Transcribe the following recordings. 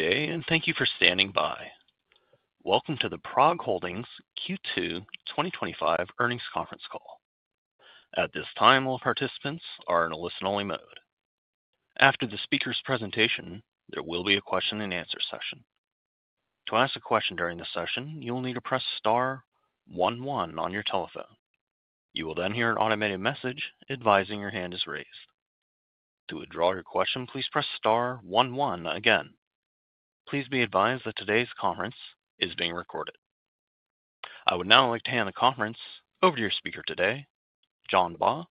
Good day, and thank you for standing by. Welcome to the PROG Holdings Q2 2025 earnings conference call. At this time, all participants are in a listen-only mode. After the speaker's presentation, there will be a question and answer session. To ask a question during this session, you will need to press star one one on your telephone. You will then hear an automated message advising your hand is raised. To withdraw your question, please press star one oneagain. Please be advised that today's conference is being recorded. I would now like to hand the conference over to your speaker today, John Baugh,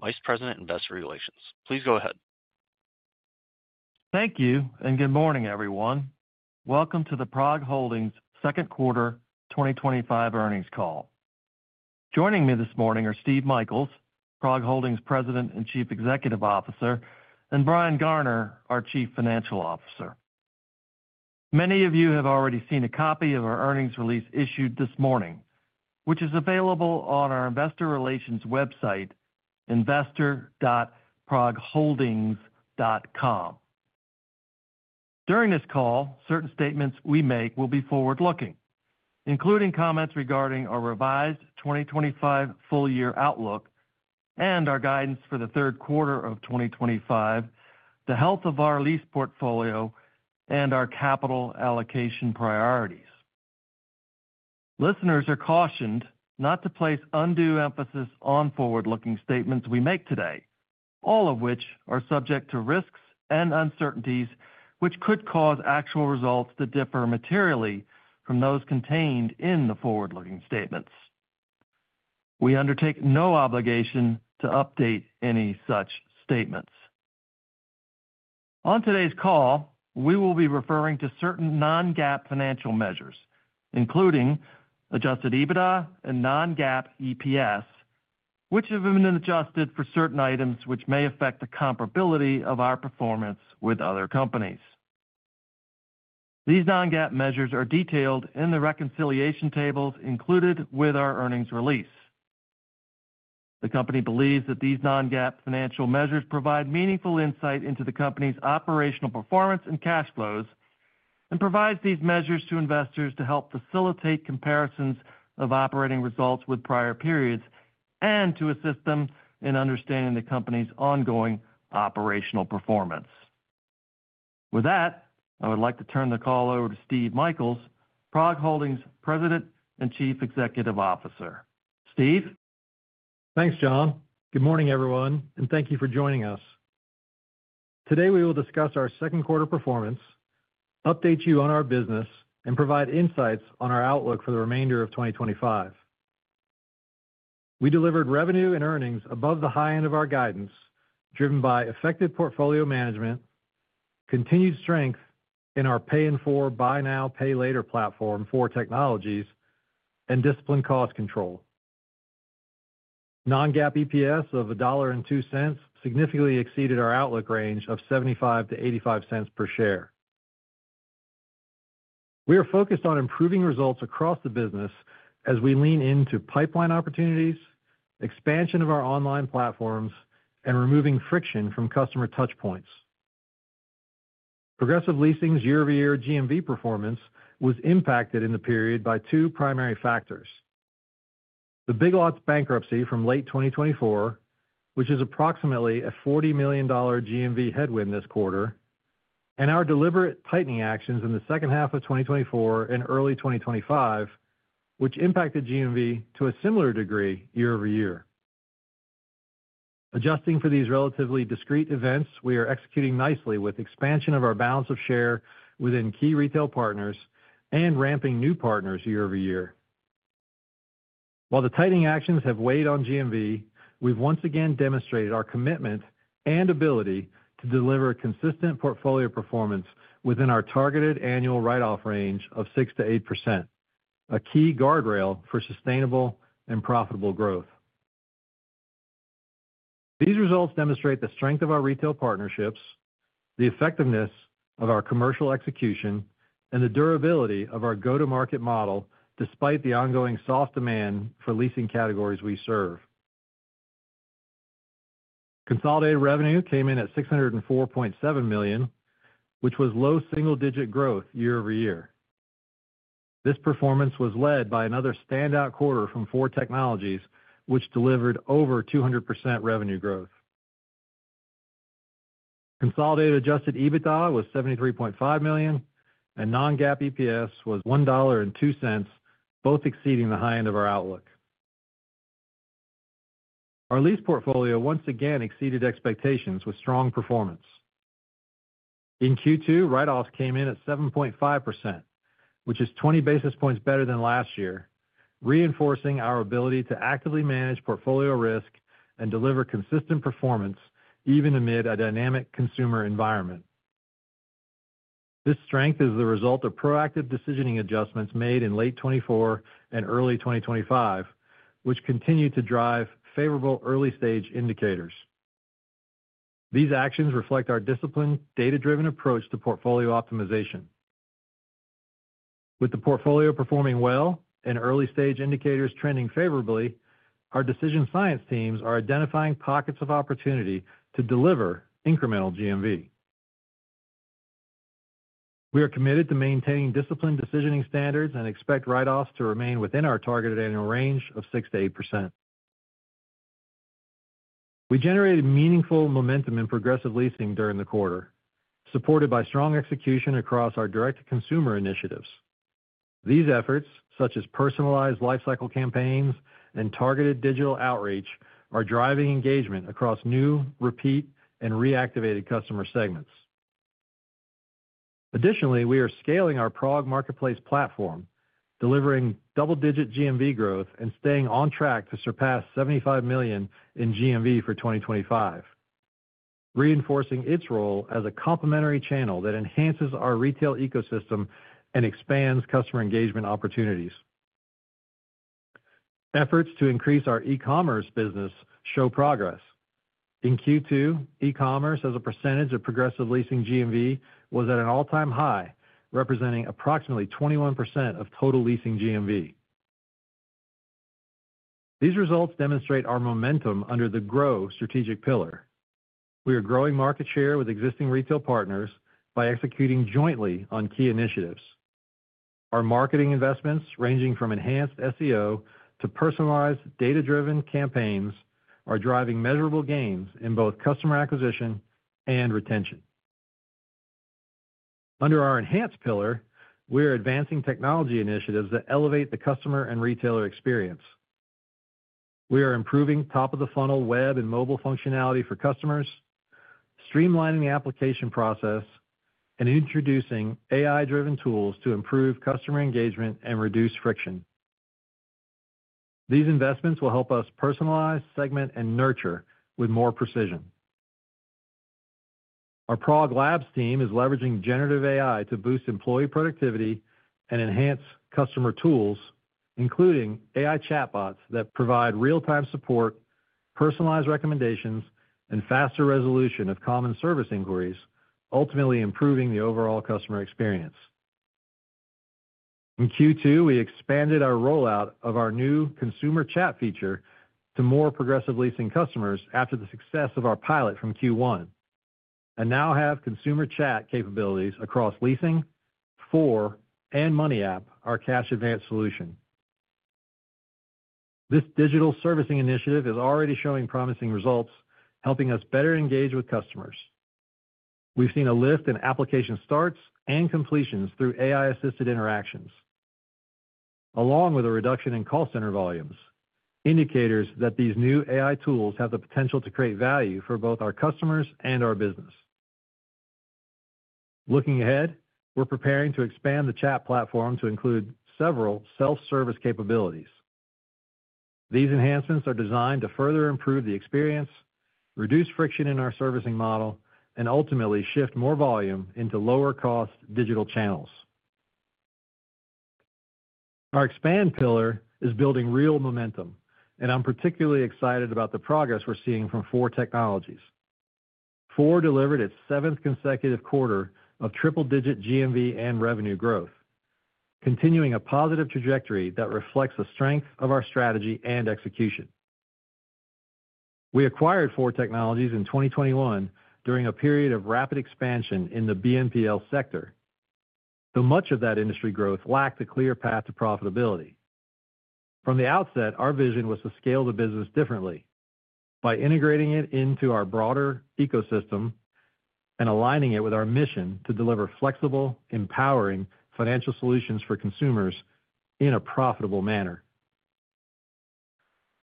Vice President of Investor Relations. Please go ahead. Thank you, and good morning, everyone. Welcome to the PROG Holdings second quarter 2025 earnings call. Joining me this morning are Steve Michaels, PROG Holdings President and Chief Executive Officer, and Brian Garner, our Chief Financial Officer. Many of you have already seen a copy of our earnings release issued this morning, which is available on our Investor Relations website, investor.progholdings.com. During this call, certain statements we make will be forward-looking, including comments regarding our revised 2025 full-year outlook and our guidance for the third quarter of 2025, the health of our lease portfolio, and our capital allocation priorities. Listeners are cautioned not to place undue emphasis on forward-looking statements we make today, all of which are subject to risks and uncertainties which could cause actual results to differ materially from those contained in the forward-looking statements. We undertake no obligation to update any such statements. On today's call, we will be referring to certain non-GAAP financial measures, including adjusted EBITDA and non-GAAP EPS, which have been adjusted for certain items which may affect the comparability of our performance with other companies. These non-GAAP measures are detailed in the reconciliation tables included with our earnings release. The company believes that these non-GAAP financial measures provide meaningful insight into the company's operational performance and cash flows and provides these measures to investors to help facilitate comparisons of operating results with prior periods and to assist them in understanding the company's ongoing operational performance. With that, I would like to turn the call over to Steve Michaels, PROG Holdings President and Chief Executive Officer. Steve. Thanks, John. Good morning, everyone, and thank you for joining us. Today, we will discuss our second quarter performance, update you on our business, and provide insights on our outlook for the remainder of 2025. We delivered revenue and earnings above the high end of our guidance, driven by effective portfolio management, continued strength in our pay-in-four, buy-now, pay-later platform Four Technologies, and disciplined cost control. Non-GAAP EPS of $1.02 significantly exceeded our outlook range of $0.75-$0.85 per share. We are focused on improving results across the business as we lean into pipeline opportunities, expansion of our online platforms, and removing friction from customer touchpoints. Progressive Leasing's year-over-year GMV performance was impacted in the period by two primary factors: the Big Lots bankruptcy from late 2024, which is approximately a $40 million GMV headwind this quarter, and our deliberate tightening actions in the second half of 2024 and early 2025, which impacted GMV to a similar degree year over year. Adjusting for these relatively discrete events, we are executing nicely with expansion of our balance of share within key retail partners and ramping new partners year over year. While the tightening actions have weighed on GMV, we've once again demonstrated our commitment and ability to deliver consistent portfolio performance within our targeted annual write-off range of 6%-8%, a key guardrail for sustainable and profitable growth. These results demonstrate the strength of our retail partnerships, the effectiveness of our commercial execution, and the durability of our go-to-market model despite the ongoing soft demand for leasing categories we serve. Consolidated revenue came in at $604.7 million, which was low single-digit growth year-over-year. This performance was led by another standout quarter from Four Technologies, which delivered over 200% revenue growth. Consolidated adjusted EBITDA was $73.5 million, and non-GAAP EPS was $1.02, both exceeding the high end of our outlook. Our lease portfolio once again exceeded expectations with strong performance. In Q2, write-offs came in at 7.5%, which is 20 basis points better than last year, reinforcing our ability to actively manage portfolio risk and deliver consistent performance even amid a dynamic consumer environment. This strength is the result of proactive decisioning adjustments made in late 2024 and early 2025, which continue to drive favorable early-stage indicators. These actions reflect our disciplined, data-driven approach to portfolio optimization. With the portfolio performing well and early-stage indicators trending favorably, our decision science teams are identifying pockets of opportunity to deliver incremental GMV. We are committed to maintaining disciplined decisioning standards and expect write-offs to remain within our targeted annual range of 6%-8%. We generated meaningful momentum in Progressive Leasing during the quarter, supported by strong execution across our direct-to-consumer initiatives. These efforts, such as personalized lifecycle campaigns and targeted digital outreach, are driving engagement across new, repeat, and reactivated customer segments. Additionally, we are scaling our PROG Marketplace platform, delivering double-digit GMV growth and staying on track to surpass $75 million in GMV for 2025, reinforcing its role as a complementary channel that enhances our retail ecosystem and expands customer engagement opportunities. Efforts to increase our e-commerce business show progress. In Q2, e-commerce as a percentage of Progressive Leasing GMV was at an all-time high, representing approximately 21% of total leasing GMV. These results demonstrate our momentum under the Grow strategic pillar. We are growing market share with existing retail partners by executing jointly on key initiatives. Our marketing investments, ranging from enhanced SEO to personalized data-driven campaigns, are driving measurable gains in both customer acquisition and retention. Under our Enhance pillar, we are advancing technology initiatives that elevate the customer and retailer experience. We are improving top-of-the-funnel web and mobile functionality for customers, streamlining the application process, and introducing AI-driven tools to improve customer engagement and reduce friction. These investments will help us personalize, segment, and nurture with more precision. Our PROG Labs team is leveraging generative AI to boost employee productivity and enhance customer tools, including AI chatbots that provide real-time support, personalized recommendations, and faster resolution of common service inquiries, ultimately improving the overall customer experience. In Q2, we expanded our rollout of our new Consumer Chat feature to more Progressive Leasing customers after the success of our pilot from Q1 and now have Consumer Chat capabilities across Leasing, Four, and Money App, our cash advance solution. This digital servicing initiative is already showing promising results, helping us better engage with customers. We've seen a lift in application starts and completions through AI-assisted interactions, along with a reduction in call center volumes, indicators that these new AI tools have the potential to create value for both our customers and our business. Looking ahead, we're preparing to expand the chat platform to include several self-service capabilities. These enhancements are designed to further improve the experience, reduce friction in our servicing model, and ultimately shift more volume into lower-cost digital channels. Our Expand pillar is building real momentum, and I'm particularly excited about the progress we're seeing from Four Technologies. Four delivered its seventh consecutive quarter of triple-digit GMV and revenue growth, continuing a positive trajectory that reflects the strength of our strategy and execution. We acquired Four Technologies in 2021 during a period of rapid expansion in the BNPL sector, though much of that industry growth lacked a clear path to profitability. From the outset, our vision was to scale the business differently by integrating it into our broader ecosystem and aligning it with our mission to deliver flexible, empowering financial solutions for consumers in a profitable manner.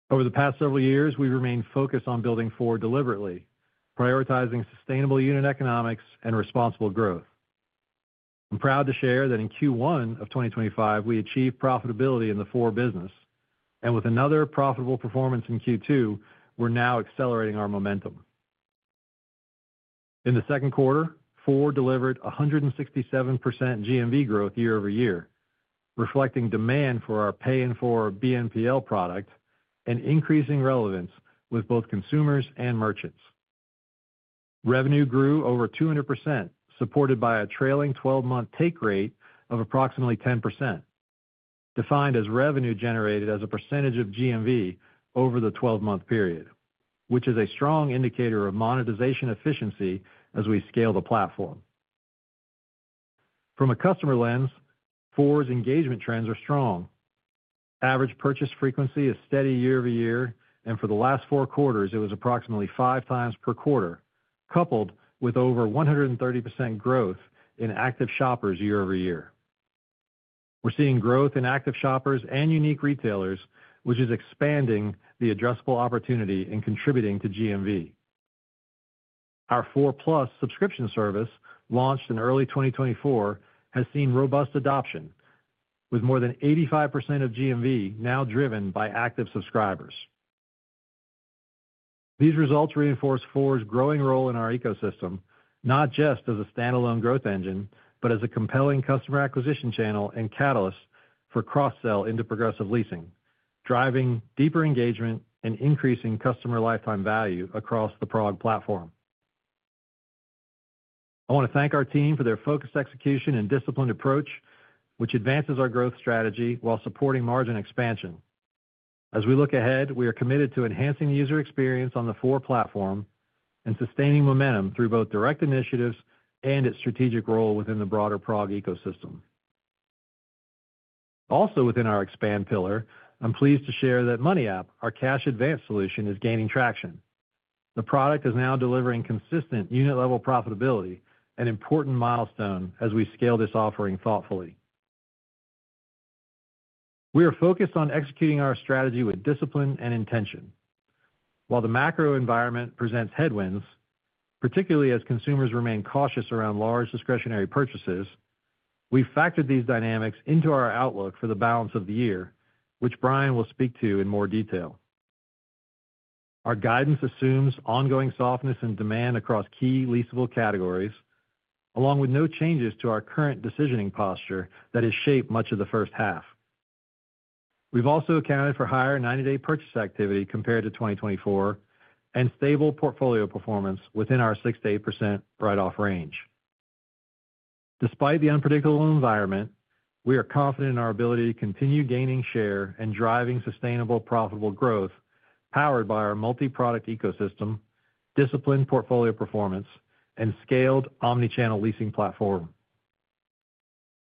Over the past several years, we've remained focused on building Four deliberately, prioritizing sustainable unit economics and responsible growth. I'm proud to share that in Q1 of 2025, we achieved profitability in the Four business, and with another profitable performance in Q2, we're now accelerating our momentum. In the second quarter, Four delivered 167% GMV growth year over year, reflecting demand for our pay-in-four BNPL product and increasing relevance with both consumers and merchants. Revenue grew over 200%, supported by a trailing 12-month take rate of approximately 10%, defined as revenue generated as a percentage of GMV over the 12-month period, which is a strong indicator of monetization efficiency as we scale the platform. From a customer lens, Four's engagement trends are strong. Average purchase frequency is steady year over year, and for the last four quarters, it was approximately 5x per quarter, coupled with over 130% growth in active shoppers year over year. We're seeing growth in active shoppers and unique retailers, which is expanding the addressable opportunity and contributing to GMV. Our Four+ subscription service, launched in early 2024, has seen robust adoption, with more than 85% of GMV now driven by active subscribers. These results reinforce Four's growing role in our ecosystem, not just as a standalone growth engine, but as a compelling customer acquisition channel and catalyst for cross-sell into Progressive Leasing, driving deeper engagement and increasing customer lifetime value across the PROG platform. I want to thank our team for their focused execution and disciplined approach, which advances our growth strategy while supporting margin expansion. As we look ahead, we are committed to enhancing the user experience on the Four platform and sustaining momentum through both direct initiatives and its strategic role within the broader PROG ecosystem. Also within our Expand pillar, I'm pleased to share that Money App, our cash advance solution, is gaining traction. The product is now delivering consistent unit-level profitability, an important milestone as we scale this offering thoughtfully. We are focused on executing our strategy with discipline and intention. While the macro environment presents headwinds, particularly as consumers remain cautious around large discretionary purchases, we've factored these dynamics into our outlook for the balance of the year, which Brian will speak to in more detail. Our guidance assumes ongoing softness in demand across key leasable categories, along with no changes to our current decisioning posture that has shaped much of the first half. We've also accounted for higher 90-day purchase activity compared to 2024 and stable portfolio performance within our 6%-8% write-off range. Despite the unpredictable environment, we are confident in our ability to continue gaining share and driving sustainable, profitable growth powered by our multi-product ecosystem, disciplined portfolio performance, and scaled omnichannel leasing platform.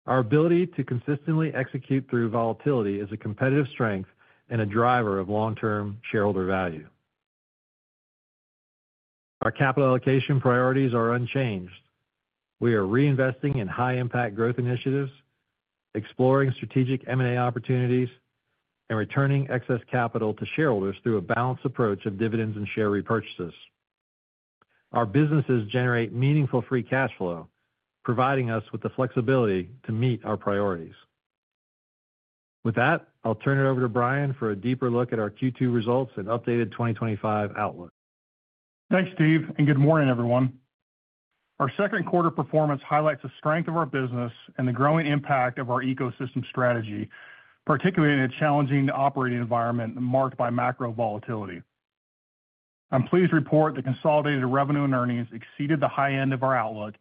Our ability to consistently execute through volatility is a competitive strength and a driver of long-term shareholder value. Our capital allocation priorities are unchanged. We are reinvesting in high-impact growth initiatives, exploring strategic M&A opportunities, and returning excess capital to shareholders through a balanced approach of dividends and share repurchases. Our businesses generate meaningful free cash flow, providing us with the flexibility to meet our priorities. With that, I'll turn it over to Brian for a deeper look at our Q2 results and updated 2025 outlook. Thanks, Steve, and good morning, everyone. Our second quarter performance highlights the strength of our business and the growing impact of our ecosystem strategy, particularly in a challenging operating environment marked by macro volatility. I'm pleased to report that consolidated revenue and earnings exceeded the high end of our outlook,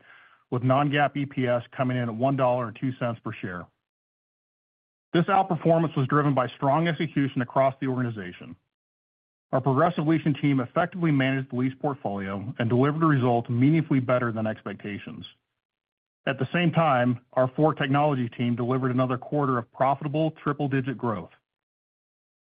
with non-GAAP EPS coming in at $1.02 per share. This outperformance was driven by strong execution across the organization. Our Progressive Leasing team effectively managed the lease portfolio and delivered a result meaningfully better than expectations. At the same time, our Four Technologies team delivered another quarter of profitable triple-digit growth.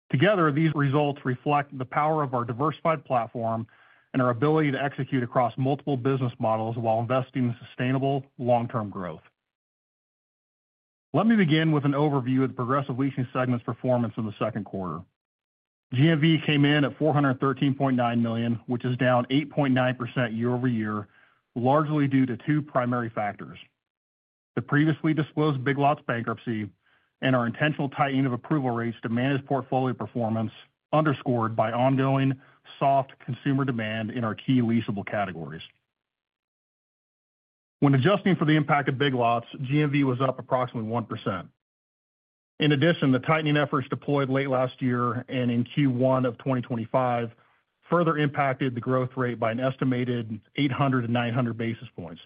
Together, these results reflect the power of our diversified platform and our ability to execute across multiple business models while investing in sustainable long-term growth. Let me begin with an overview of the Progressive Leasing segment's performance in the second quarter. GMV came in at $413.9 million, which is down 8.9% year over year, largely due to two primary factors: the previously disclosed Big Lots bankruptcy and our intentional tightening of approval rates to manage portfolio performance, underscored by ongoing soft consumer demand in our key leasable categories. When adjusting for the impact of Big Lots, GMV was up approximately 1%. In addition, the tightening efforts deployed late last year and in Q1 of 2025 further impacted the growth rate by an estimated 800 basis points-900 basis points.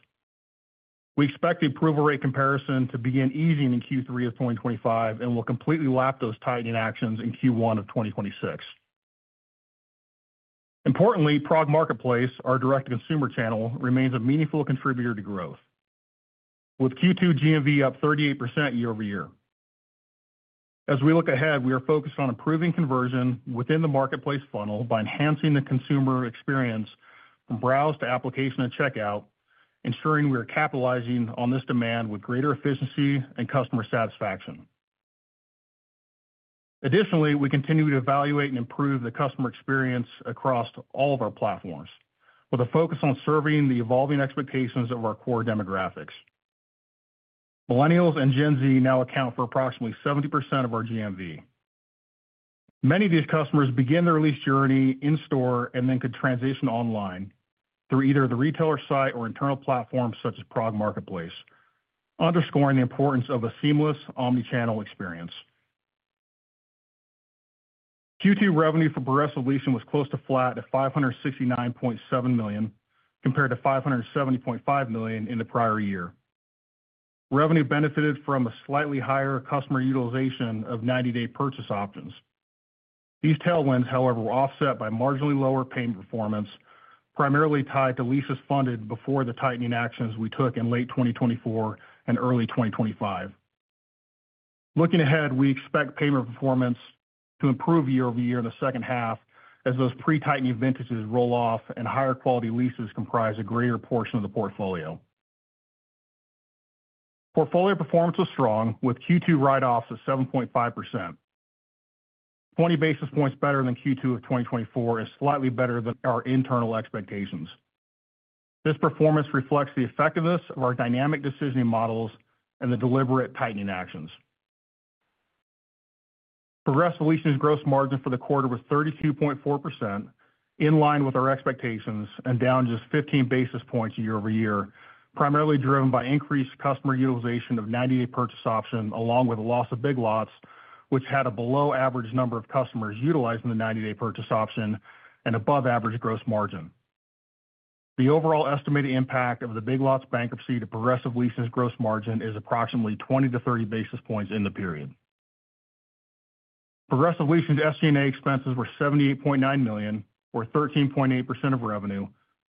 We expect the approval rate comparison to begin easing in Q3 of 2025 and will completely lap those tightening actions in Q1 of 2026. Importantly, PROG Marketplace, our direct-to-consumer channel, remains a meaningful contributor to growth, with Q2 GMV up 38% year over year. As we look ahead, we are focused on improving conversion within the Marketplace funnel by enhancing the consumer experience from browse to application and checkout, ensuring we are capitalizing on this demand with greater efficiency and customer satisfaction. Additionally, we continue to evaluate and improve the customer experience across all of our platforms, with a focus on serving the evolving expectations of our core demographics. Millennials and Gen Z now account for approximately 70% of our GMV. Many of these customers begin their lease journey in-store and then could transition online through either the retailer site or internal platforms such as PROG Marketplace, underscoring the importance of a seamless omnichannel experience. Q2 revenue for Progressive Leasing was close to flat at $569.7 million, compared to $570.5 million in the prior year. Revenue benefited from a slightly higher customer utilization of 90-day purchase options. These tailwinds, however, were offset by marginally lower payment performance, primarily tied to leases funded before the tightening actions we took in late 2024 and early 2025. Looking ahead, we expect payment performance to improve year over year in the second half as those pre-tightening vintages roll off and higher quality leases comprise a greater portion of the portfolio. Portfolio performance was strong, with Q2 write-offs at 7.5%, 20 basis points better than Q2 of 2024 and slightly better than our internal expectations. This performance reflects the effectiveness of our dynamic decisioning models and the deliberate tightening actions. Progressive Leasing's gross margin for the quarter was 32.4%, in line with our expectations and down just 15 basis points year over year, primarily driven by increased customer utilization of 90-day purchase options, along with a loss of Big Lots, which had a below-average number of customers utilizing the 90-day purchase option and above-average gross margin. The overall estimated impact of the Big Lots bankruptcy to Progressive Leasing's gross margin is approximately 20 basis points-30 basis points in the period. Progressive Leasing's SG&A expenses were $78.9 million, or 13.8% of revenue,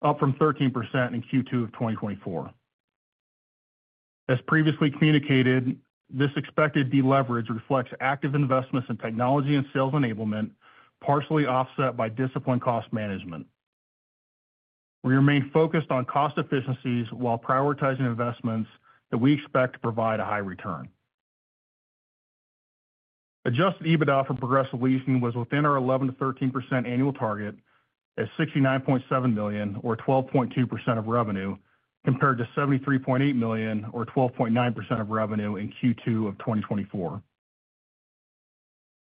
up from 13% in Q2 of 2023. As previously communicated, this expected deleverage reflects active investments in technology and sales enablement, partially offset by disciplined cost management. We remain focused on cost efficiencies while prioritizing investments that we expect to provide a high return. Adjusted EBITDA for Progressive Leasing was within our 11%-13% annual target at $69.7 million, or 12.2% of revenue, compared to $73.8 million, or 12.9% of revenue in Q2 of 2023.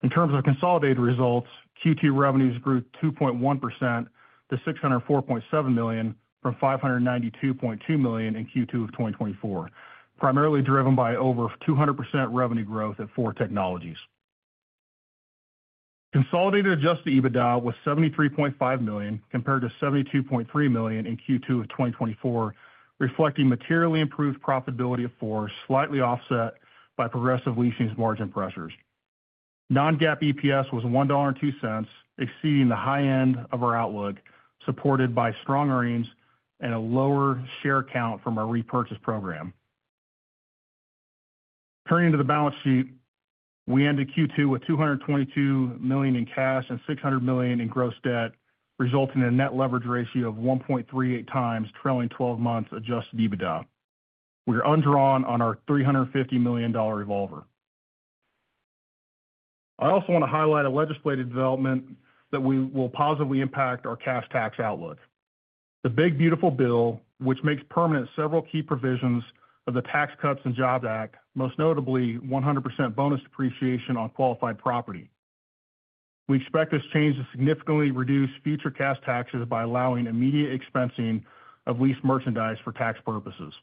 In terms of consolidated results, Q2 revenues grew 2.1% to $604.7 million from $592.2 million in Q2 of 2023, primarily driven by over 200% revenue growth at Four Technologies. Consolidated adjusted EBITDA was $73.5 million, compared to $72.3 million in Q2 of 2024, reflecting materially improved profitability of Four, slightly offset by Progressive Leasing's margin pressures. Non-GAAP EPS was $1.02, exceeding the high end of our outlook, supported by strong earnings and a lower share count from our repurchase program. Turning to the balance sheet, we ended Q2 with $222 million in cash and $600 million in gross debt, resulting in a net leverage ratio of 1.38x, trailing 12 months adjusted EBITDA. We are undrawn on our $350 million revolver. I also want to highlight a legislative development that will positively impact our cash tax outlook: the Big Beautiful Bill, which makes permanent several key provisions of the Tax Cuts and Jobs Act, most notably 100% bonus depreciation on qualified property. We expect this change to significantly reduce future cash taxes by allowing immediate expensing of leased merchandise for tax purposes.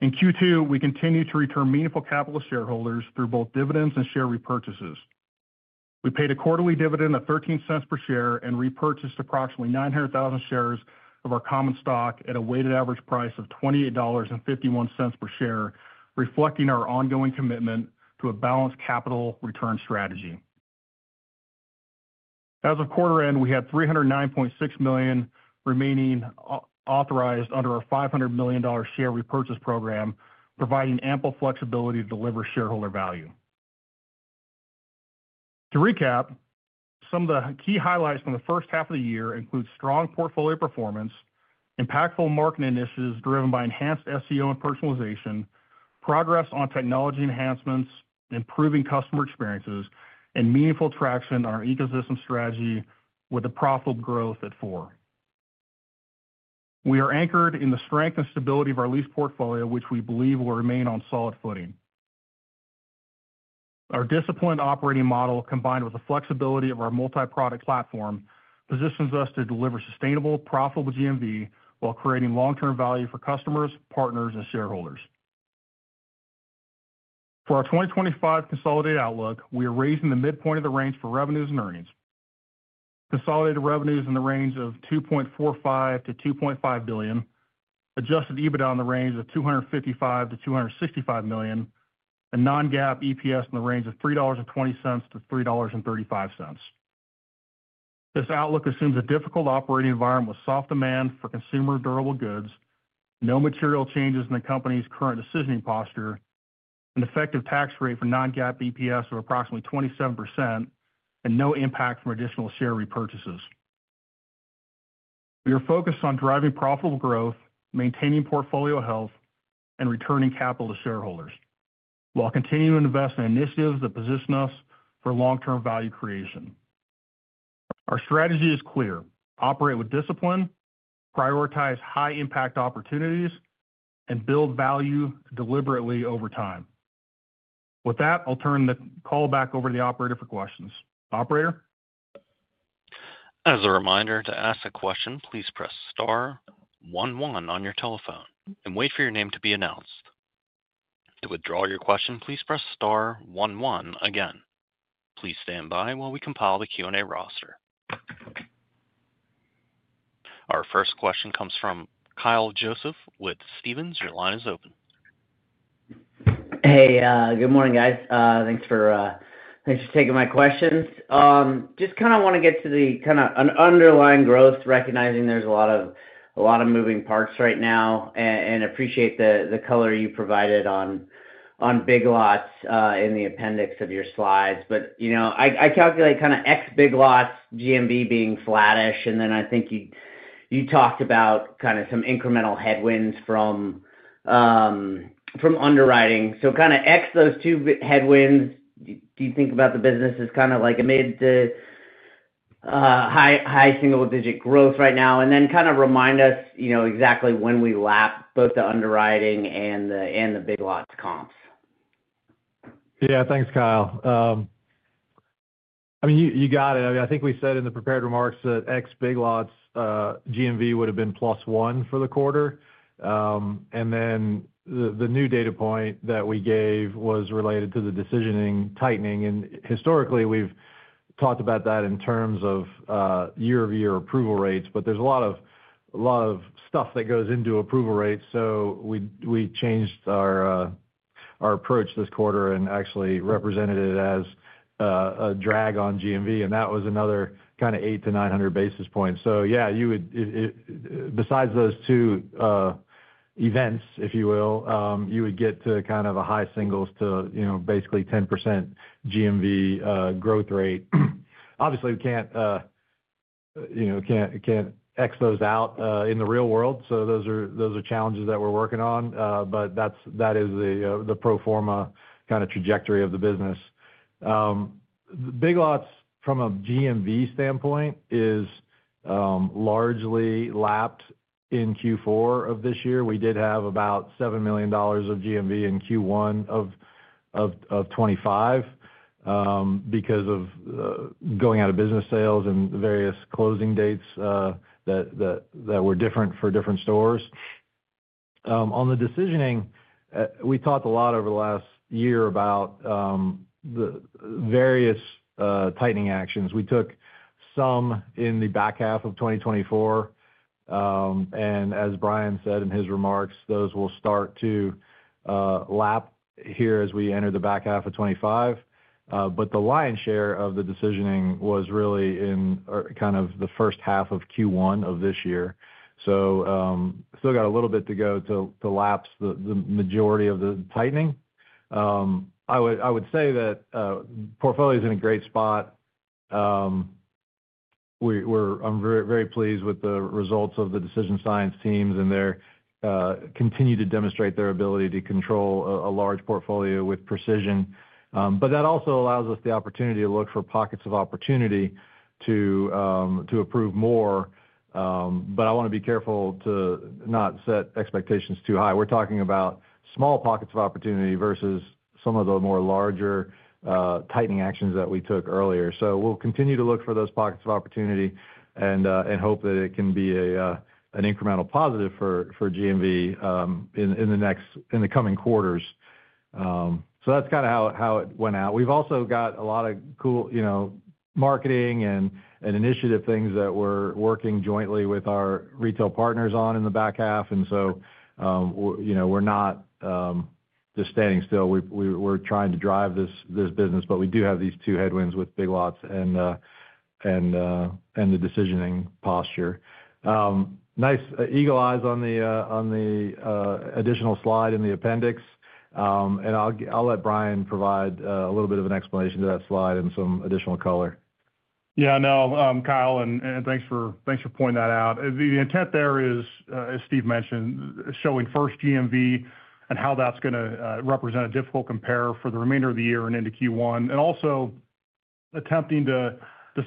In Q2, we continue to return meaningful capital to shareholders through both dividends and share repurchases. We paid a quarterly dividend of $0.13 per share and repurchased approximately 900,000 shares of our common stock at a weighted average price of $28.51 per share, reflecting our ongoing commitment to a balanced capital return strategy. As of quarter end, we had $309.6 million remaining authorized under our $500 million share repurchase program, providing ample flexibility to deliver shareholder value. To recap, some of the key highlights from the first half of the year include strong portfolio performance, impactful marketing initiatives driven by enhanced SEO and personalization, progress on technology enhancements, improving customer experiences, and meaningful traction on our ecosystem strategy with a profitable growth at Four. We are anchored in the strength and stability of our lease portfolio, which we believe will remain on solid footing. Our disciplined operating model, combined with the flexibility of our multi-product platform, positions us to deliver sustainable, profitable GMV while creating long-term value for customers, partners, and shareholders. For our 2025 consolidated outlook, we are raising the midpoint of the range for revenues and earnings. Consolidated revenues in the range of $2.45 billion-$2.5 billion, adjusted EBITDA in the range of $255 million-$265 million, and non-GAAP EPS in the range of $3.20-$3.35. This outlook assumes a difficult operating environment with soft demand for consumer durable goods, no material changes in the company's current decisioning posture, an effective tax rate for non-GAAP EPS of approximately 27%, and no impact from additional share repurchases. We are focused on driving profitable growth, maintaining portfolio health, and returning capital to shareholders while continuing to invest in initiatives that position us for long-term value creation. Our strategy is clear: operate with discipline, prioritize high-impact opportunities, and build value deliberately over time. With that, I'll turn the call back over to the operator for questions. Operator? As a reminder, to ask a question, please press star one one on your telephone and wait for your name to be announced. To withdraw your question, please press star one one again. Please stand by while we compile the Q&A roster. Our first question comes from Kyle Joseph with PROG Holdings. Your line is open. Hey, good morning, guys. Thanks for taking my questions. Just kind of want to get to the kind of underlying growth, recognizing there's a lot of moving parts right now and appreciate the color you provided on Big Lots in the appendix of your slides. You know I calculate kind of ex-Big Lots GMV being flattish, and then I think you talked about kind of some incremental headwinds from underwriting. Kind of ex those two headwinds, do you think about the business as kind of like amid the high single-digit growth right now? Then kind of remind us, you know exactly when we lap both the underwriting and the Big Lots comps. Yeah, thanks, Kyle. I mean, you got it. I mean, I think we said in the prepared remarks that ex-Big Lots GMV would have been plus 1% for the quarter. The new data point that we gave was related to the decisioning tightening. Historically, we've talked about that in terms of year-over-year approval rates, but there's a lot of stuff that goes into approval rates. We changed our approach this quarter and actually represented it as a drag on GMV, and that was another kind of 800 basis points-900 basis points. You would, besides those two events, if you will, get to kind of a high singles to basically 10% GMV growth rate. Obviously, we can't ex those out in the real world. Those are challenges that we're working on, but that is the pro forma kind of trajectory of the business. Big Lots, from a GMV standpoint, is largely lapped in Q4 of this year. We did have about $7 million of GMV in Q1 of 2025 because of going out of business sales and various closing dates that were different for different stores. On the decisioning, we talked a lot over the last year about the various tightening actions. We took some in the back half of 2024, and as Brian said in his remarks, those will start to lap here as we enter the back half of 2025. The lion's share of the decisioning was really in kind of the first half of Q1 of this year. Still got a little bit to go to lap the majority of the tightening. I would say that the portfolio is in a great spot. I'm very pleased with the results of the decision science teams, and they continue to demonstrate their ability to control a large portfolio with precision. That also allows us the opportunity to look for pockets of opportunity to approve more. I want to be careful to not set expectations too high. We're talking about small pockets of opportunity versus some of the more larger tightening actions that we took earlier. We'll continue to look for those pockets of opportunity and hope that it can be an incremental positive for GMV in the next coming quarters. That's kind of how it went out. We've also got a lot of cool, you know, marketing and initiative things that we're working jointly with our retail partners on in the back half. We're not just standing still. We're trying to drive this business, but we do have these two headwinds with Big Lots and the decisioning posture. Nice eagle eyes on the additional slide in the appendix, and I'll let Brian provide a little bit of an explanation to that slide and some additional color. Yeah, no, Kyle, and thanks for pointing that out. The intent there is, as Steve mentioned, showing first GMV and how that's going to represent a difficult comparator for the remainder of the year and into Q1, and also attempting to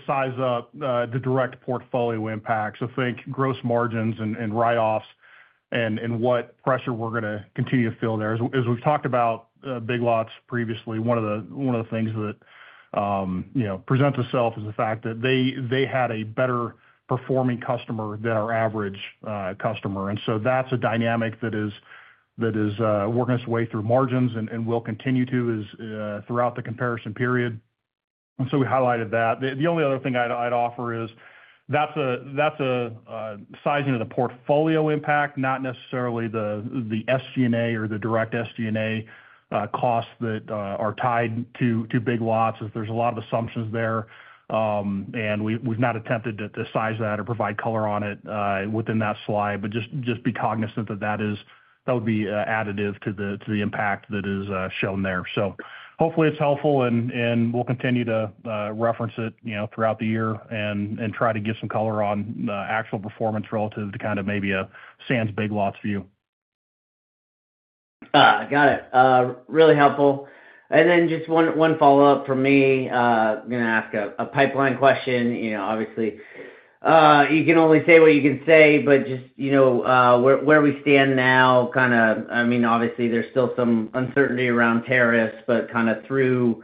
size up the direct portfolio impacts. I think gross margins and write-offs and what pressure we're going to continue to feel there. As we've talked about Big Lots previously, one of the things that presents itself is the fact that they had a better performing customer than our average customer. That's a dynamic that is working its way through margins and will continue to throughout the comparison period. We highlighted that. The only other thing I'd offer is that's a sizing of the portfolio impact, not necessarily the SG&A or the direct SG&A costs that are tied to Big Lots. There's a lot of assumptions there, and we've not attempted to size that or provide color on it within that slide, but just be cognizant that that would be additive to the impact that is shown there. Hopefully, it's helpful, and we'll continue to reference it throughout the year and try to get some color on actual performance relative to kind of maybe a sans Big Lots view. Got it. Really helpful. Just one follow-up from me. I'm going to ask a pipeline question. Obviously, you can only say what you can say, but just, you know, where we stand now, I mean, obviously, there's still some uncertainty around tariffs, kind of through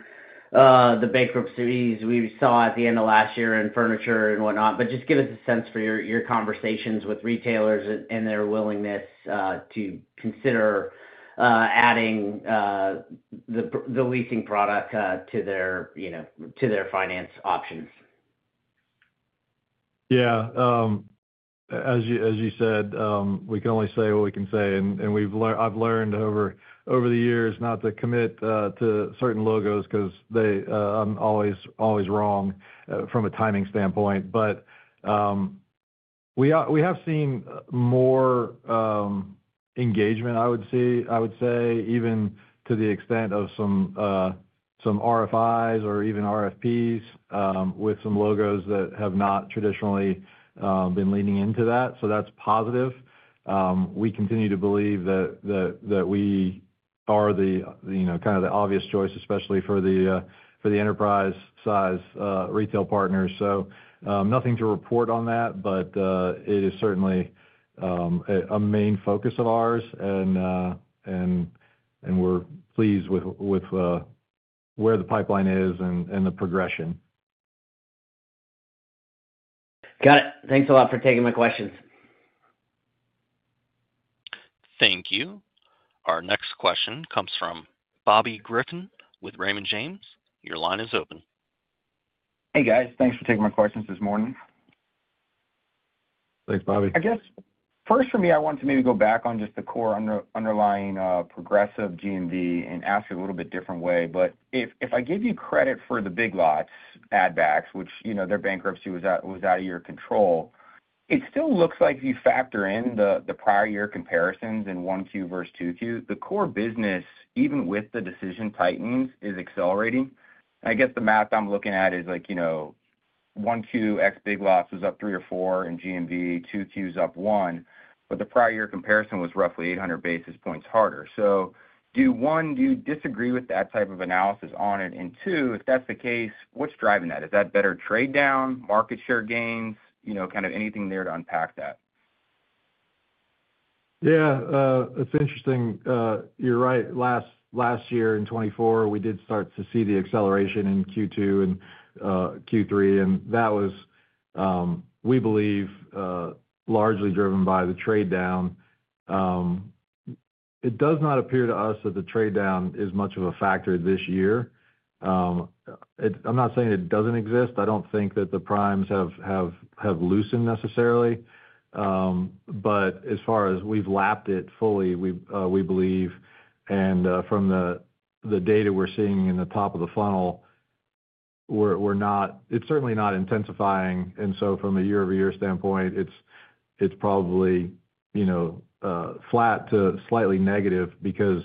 the bankruptcies we saw at the end of last year in furniture and whatnot. Just give us a sense for your conversations with retailers and their willingness to consider adding the leasing product to their finance options. Yeah. As you said, we can only say what we can say. I've learned over the years not to commit to certain logos because I'm always wrong from a timing standpoint. We have seen more engagement, I would say, even to the extent of some RFIs or even RFPs with some logos that have not traditionally been leaning into that. That's positive. We continue to believe that we are kind of the obvious choice, especially for the enterprise-size retail partners. Nothing to report on that, but it is certainly a main focus of ours, and we're pleased with where the pipeline is and the progression. Got it. Thanks a lot for taking my questions. Thank you. Our next question comes from Bobby Griffin with Raymond James. Your line is open. Hey, guys. Thanks for taking my questions this morning. Thanks, Bobby. I guess first for me, I want to maybe go back on just the core underlying Progressive Leasing GMV and ask it a little bit different way. If I give you credit for the Big Lots add-backs, which you know their bankruptcy was out of your control, it still looks like if you factor in the prior year comparisons in Q1 versus Q2, the core business, even with the decision tightening, is accelerating. I guess the math I'm looking at is like, you know, Q1 ex-Big Lots was up 3% or 4%, and GMV Q2 is up 1%. The prior year comparison was roughly 800 basis points harder. Do you disagree with that type of analysis on it? If that's the case, what's driving that? Is that better trade down, market share gains, anything there to unpack that? Yeah, it's interesting. You're right. Last year in 2023, we did start to see the acceleration in Q2 and Q3, and that was, we believe, largely driven by the trade down. It does not appear to us that the trade down is much of a factor this year. I'm not saying it doesn't exist. I don't think that the primes have loosened necessarily. As far as we've lapped it fully, we believe, and from the data we're seeing in the top of the funnel, it's certainly not intensifying. From the year-over-year standpoint, it's probably flat to slightly negative because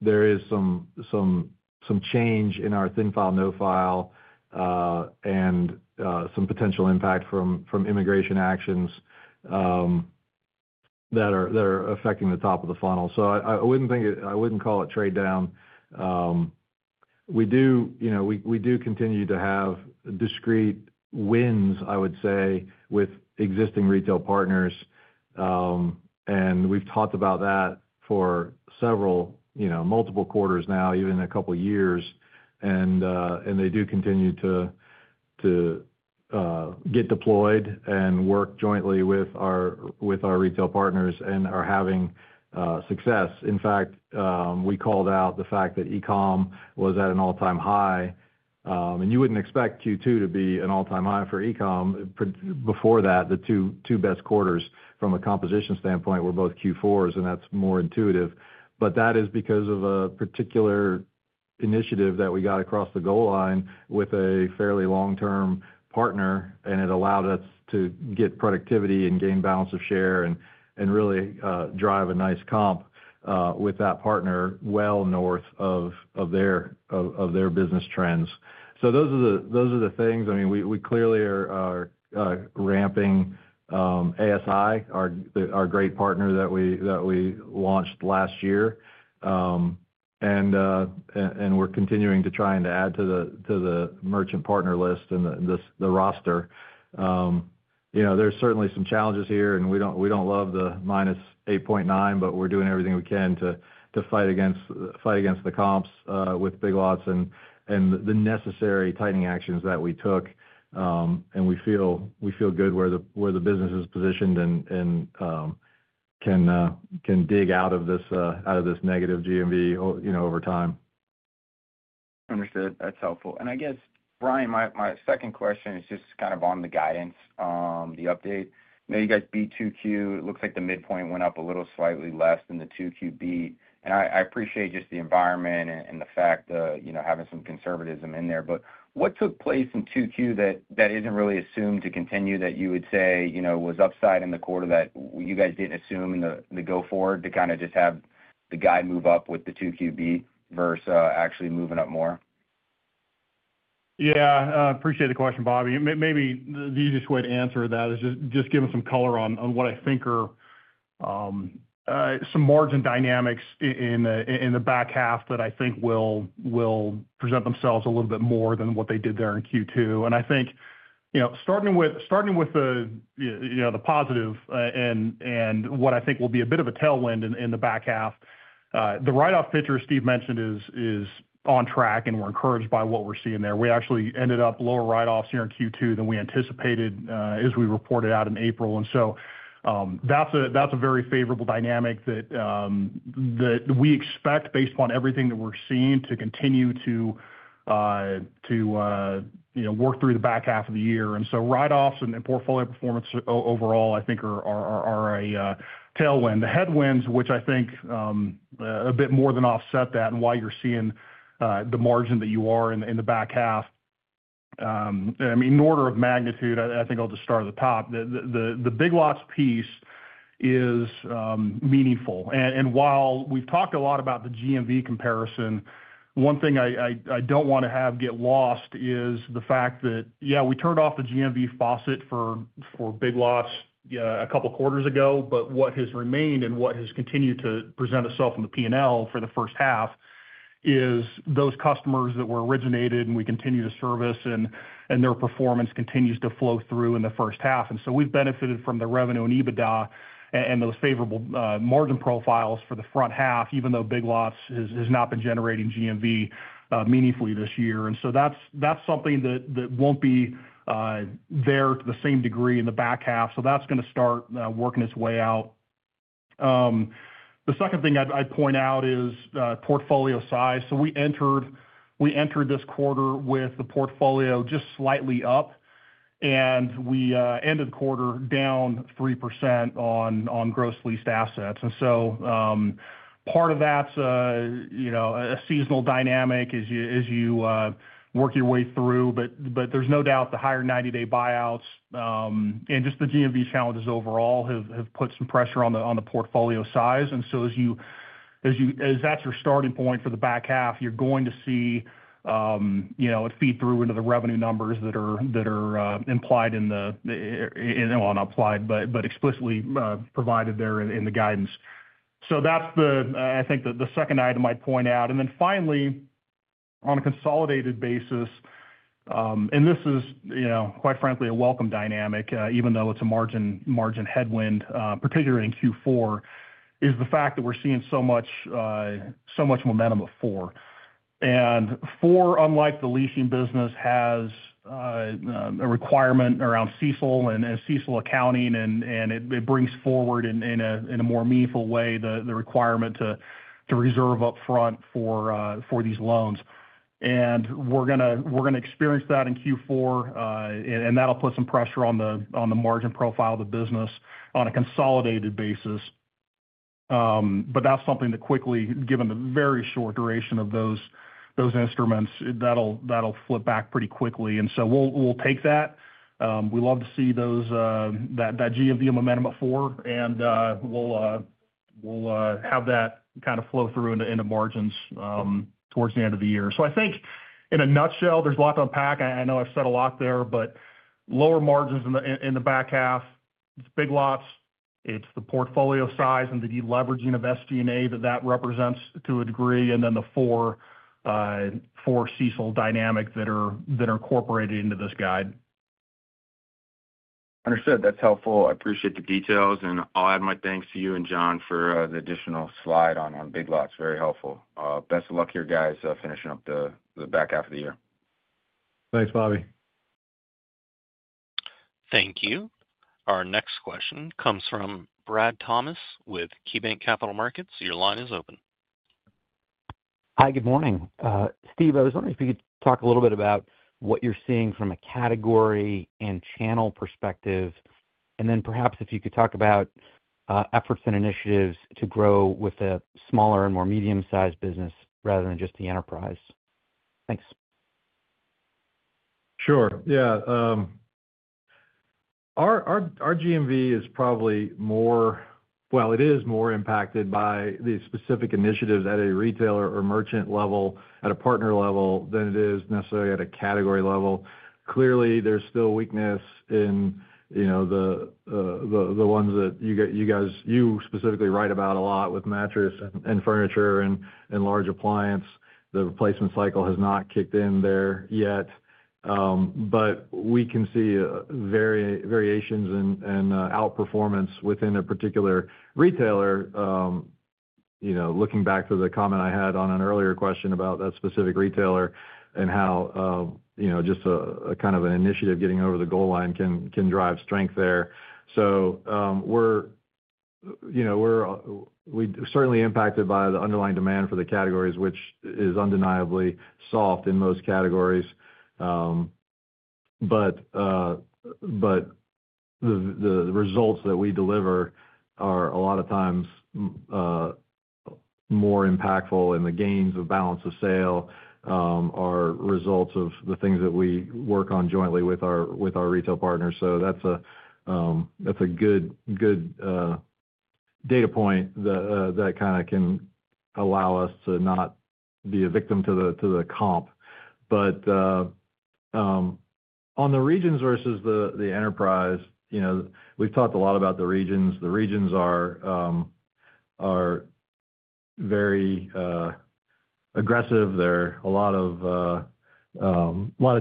there is some change in our thin file/no file and some potential impact from immigration actions that are affecting the top of the funnel. I wouldn't call it trade down. We do continue to have discrete wins, I would say, with existing retail partners, and we've talked about that for several, you know, multiple quarters now, even a couple of years. They do continue to get deployed and work jointly with our retail partners and are having success. In fact, we called out the fact that e-com was at an all-time high, and you wouldn't expect Q2 to be an all-time high for e-com. Before that, the two best quarters from a composition standpoint were both Q4s, and that's more intuitive. That is because of a particular initiative that we got across the goal line with a fairly long-term partner, and it allowed us to get productivity and gain balance of share and really drive a nice comp with that partner well north of their business trends. Those are the things. We clearly are ramping ASI, our great partner that we launched last year, and we're continuing to try and add to the merchant partner list and the roster. There are certainly some challenges here, and we don't love the -8.9%, but we're doing everything we can to fight against the comps with Big Lots and the necessary tightening actions that we took. We feel good where the business is positioned and can dig out of this negative GMV over time. Understood. That's helpful. I guess, Brian, my second question is just kind of on the guidance, the update. I know you guys beat 2Q. It looks like the midpoint went up a little, slightly less than the 2Q beat, and I appreciate just the environment and the fact that having some conservatism in there. What took place in 2Q that isn't really assumed to continue that you would say was upside in the quarter that you guys didn't assume in the go-forward to kind of just have the guide move up with the 2Q beat versus actually moving up more? Yeah, I appreciate the question, Bobby. Maybe the easiest way to answer that is just giving some color on what I think are some margin dynamics in the back half that I think will present themselves a little bit more than what they did there in Q2. I think, you know, starting with the positive and what I think will be a bit of a tailwind in the back half, the write-off picture Steve mentioned is on track, and we're encouraged by what we're seeing there. We actually ended up lower write-offs here in Q2 than we anticipated as we reported out in April. That's a very favorable dynamic that we expect, based upon everything that we're seeing, to continue to work through the back half of the year. Write-offs and portfolio performance overall, I think, are a tailwind. The headwinds, which I think a bit more than offset that and why you're seeing the margin that you are in the back half, in order of magnitude, I think I'll just start at the top. The Big Lots piece is meaningful. While we've talked a lot about the GMV comparison, one thing I don't want to have get lost is the fact that, yeah, we turned off the GMV faucet for Big Lots a couple of quarters ago, but what has remained and what has continued to present itself in the P&L for the first half is those customers that were originated and we continue to service, and their performance continues to flow through in the first half. We've benefited from the revenue and EBITDA and those favorable margin profiles for the front half, even though Big Lots has not been generating GMV meaningfully this year. That's something that won't be there to the same degree in the back half. That's going to start working its way out. The second thing I'd point out is portfolio size. We entered this quarter with the portfolio just slightly up, and we ended the quarter down 3% on gross leased assets. Part of that's a seasonal dynamic as you work your way through. There's no doubt the higher 90-day buyouts and just the GMV challenges overall have put some pressure on the portfolio size. As that's your starting point for the back half, you're going to see it feed through into the revenue numbers that are implied in the—not implied, but explicitly provided there in the guidance. That's the, I think, the second item I'd point out. Finally, on a consolidated basis, and this is, quite frankly, a welcome dynamic, even though it's a margin headwind, particularly in Q4, is the fact that we're seeing so much momentum at Four. Four, unlike the leasing business, has a requirement around CECL and CECL accounting, and it brings forward in a more meaningful way the requirement to reserve upfront for these loans. We're going to experience that in Q4, and that'll put some pressure on the margin profile of the business on a consolidated basis. That's something that quickly, given the very short duration of those instruments, will flip back pretty quickly. We'll take that. We love to see that GMV momentum at Four, and we'll have that kind of flow through into margins towards the end of the year. I think, in a nutshell, there's a lot to unpack. I know I've said a lot there, but lower margins in the back half, it's Big Lots, it's the portfolio size and the deleveraging of SG&A that that represents to a degree, and then the Four CECL dynamic that are incorporated into this guide. Understood. That's helpful. I appreciate the details, and I'll add my thanks to you and John for the additional slide on Big Lots. Very helpful. Best of luck here, guys, finishing up the back half of the year. Thanks, Bobby. Thank you. Our next question comes from Brad Thomas with KeyBank Capital Markets. Your line is open. Hi, good morning. Steve, I was wondering if you could talk a little bit about what you're seeing from a category and channel perspective, and then perhaps if you could talk about efforts and initiatives to grow with a smaller and more medium-sized business rather than just the enterprise. Thanks. Sure. Our GMV is probably more impacted by the specific initiatives at a retailer or merchant level, at a partner level, than it is necessarily at a category level. Clearly, there's still weakness in, you know, the ones that you guys, you specifically write about a lot with mattress and furniture and large appliance. The replacement cycle has not kicked in there yet. We can see variations and outperformance within a particular retailer. Looking back to the comment I had on an earlier question about that specific retailer and how just a kind of an initiative getting over the goal line can drive strength there. We are certainly impacted by the underlying demand for the categories, which is undeniably soft in most categories. The results that we deliver are a lot of times more impactful, and the gains of balance of sale are results of the things that we work on jointly with our retail partners. That's a good data point that kind of can allow us to not be a victim to the comp. On the regions versus the enterprise, we've talked a lot about the regions. The regions are very aggressive. There is a lot of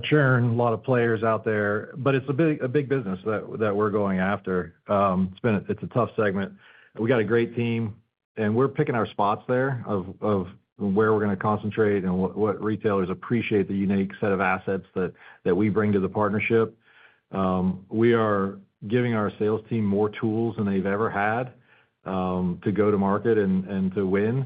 churn, a lot of players out there, but it's a big business that we're going after. It's a tough segment. We got a great team, and we're picking our spots there of where we're going to concentrate and what retailers appreciate the unique set of assets that we bring to the partnership. We are giving our sales team more tools than they've ever had to go to market and to win,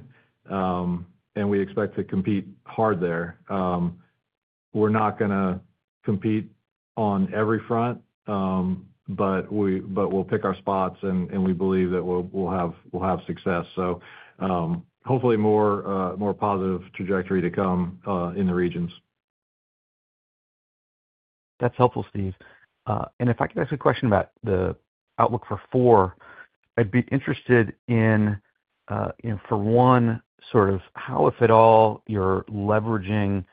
and we expect to compete hard there. We're not going to compete on every front, but we'll pick our spots, and we believe that we'll have success. Hopefully, more positive trajectory to come in the regions. That's helpful, Steve. If I could ask a question about the outlook for Four, I'd be interested in, you know, for one, sort of how, if at all, you're leveraging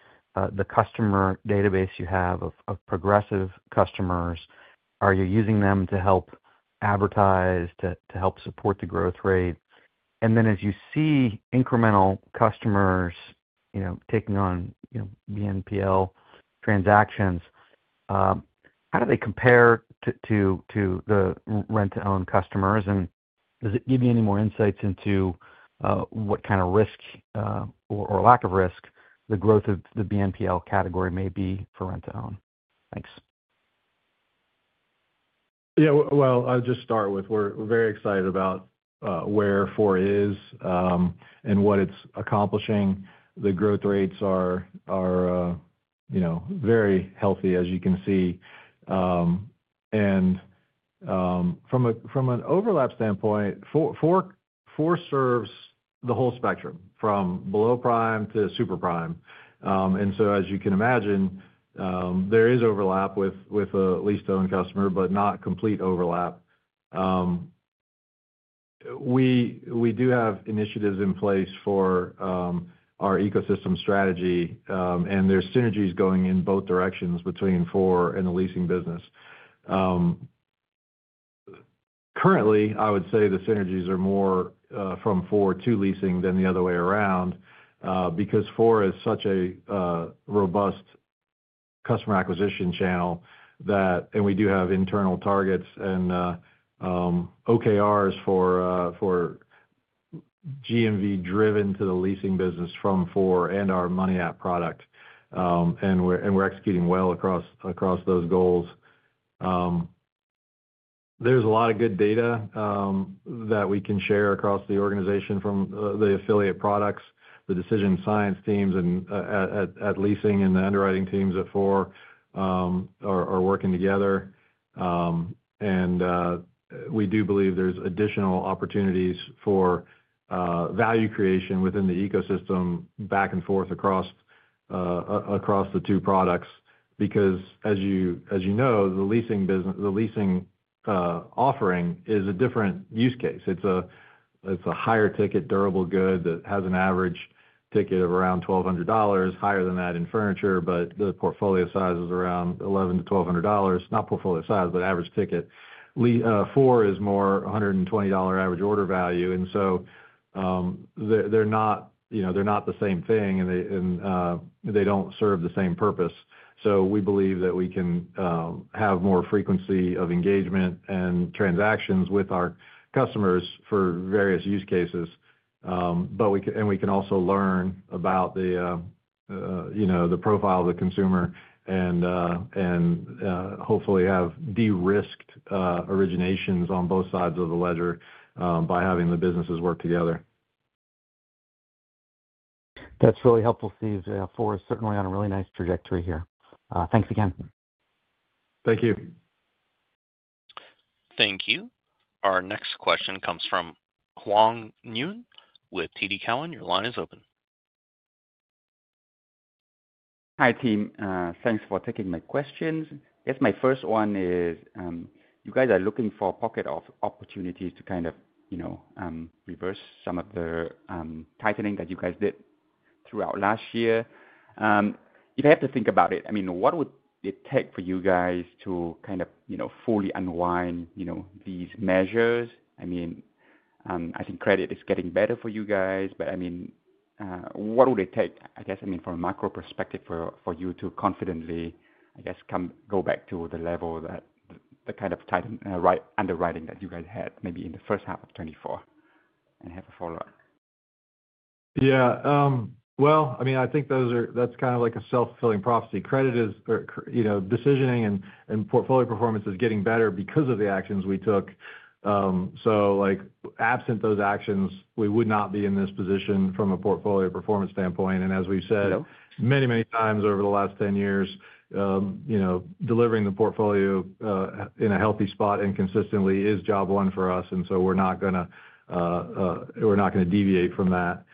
the customer database you have of Progressive customers. Are you using them to help advertise, to help support the growth rate? As you see incremental customers, you know, taking on, you know, BNPL transactions, how do they compare to the rent-to-own customers? Does it give you any more insights into what kind of risk or lack of risk the growth of the BNPL category may be for rent-to-own? Thanks. Yeah. I’ll just start with we’re very excited about where Four is and what it’s accomplishing. The growth rates are, you know, very healthy, as you can see. From an overlap standpoint, Four serves the whole spectrum from below prime to super prime. As you can imagine, there is overlap with a lease-to-own customer, but not complete overlap. We do have initiatives in place for our ecosystem strategy, and there are synergies going in both directions between Four and the leasing business. Currently, I would say the synergies are more from Four to leasing than the other way around because Four is such a robust customer acquisition channel. We do have internal targets and OKRs for GMV driven to the leasing business from Four and our Money App product, and we’re executing well across those goals. There’s a lot of good data that we can share across the organization from the affiliate products, the decision science teams, and at leasing, and the underwriting teams at Four are working together. We do believe there are additional opportunities for value creation within the ecosystem back and forth across the two products because, as you know, the leasing offering is a different use case. It’s a higher ticket durable good that has an average ticket of around $1,200, higher than that in furniture, but the average ticket is around $1,100-$1,200. Four is more $120 average order value. They’re not the same thing, and they don’t serve the same purpose. We believe that we can have more frequency of engagement and transactions with our customers for various use cases. We can also learn about the profile of the consumer and hopefully have derisked originations on both sides of the ledger by having the businesses work together. That's really helpful, Steve. Four is certainly on a really nice trajectory here. Thanks again. Thank you. Thank you. Our next question comes from Hoang Nguyen with TD Cowen. Your line is open. Hi, team. Thanks for taking my questions. My first one is, you guys are looking for a pocket of opportunities to kind of, you know, reverse some of the tightening that you guys did throughout last year. If I have to think about it, what would it take for you guys to kind of, you know, fully unwind these measures? I think credit is getting better for you guys, but what would it take, I guess, from a macro perspective for you to confidently, I guess, go back to the level that the kind of tightened underwriting that you guys had maybe in the first half of 2024? I have a follow-up. Yeah. I think those are that's kind of like a self-fulfilling prophecy. Credit is, you know, decisioning and portfolio performance is getting better because of the actions we took. Like absent those actions, we would not be in this position from a portfolio performance standpoint. As we've said many, many times over the last 10 years, delivering the portfolio in a healthy spot and consistently is job one for us. We're not going to deviate from that.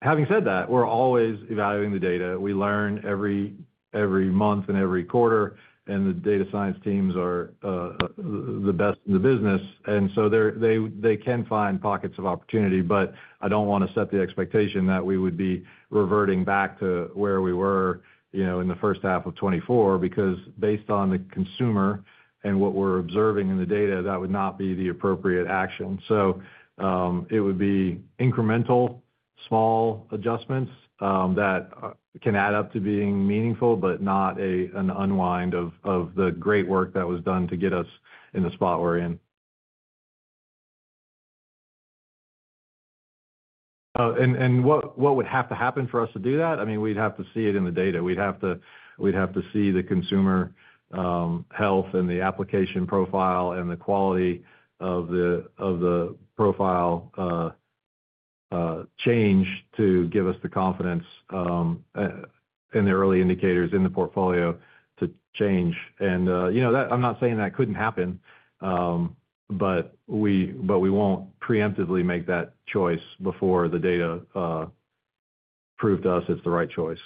Having said that, we're always evaluating the data. We learn every month and every quarter, and the data science teams are the best in the business. They can find pockets of opportunity, but I don't want to set the expectation that we would be reverting back to where we were, you know, in the first half of 2024 because based on the consumer and what we're observing in the data, that would not be the appropriate action. It would be incremental, small adjustments that can add up to being meaningful, but not an unwind of the great work that was done to get us in the spot we're in. What would have to happen for us to do that? We'd have to see it in the data. We'd have to see the consumer health and the application profile and the quality of the profile change to give us the confidence in the early indicators in the portfolio to change. I'm not saying that couldn't happen, but we won't preemptively make that choice before the data proved to us it's the right choice.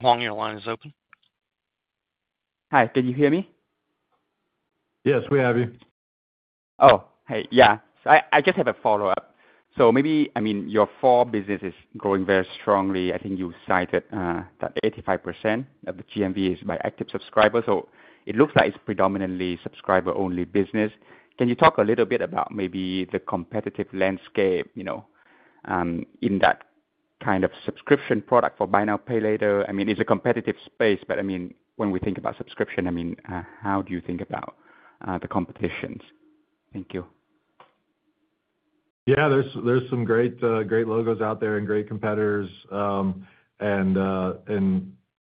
Hi. Hoang, your line is open. Hi, can you hear me? Yes, we have you. Yeah, I just have a follow-up. Maybe, I mean, your Four Technologies business is growing very strongly. I think you cited that 85% of the GMV is by active subscribers. It looks like it's predominantly subscriber-only business. Can you talk a little bit about maybe the competitive landscape in that kind of subscription product for buy-now, pay-later? It's a competitive space, but when we think about subscription, how do you think about the competitions? Thank you. Yeah, there's some great logos out there and great competitors.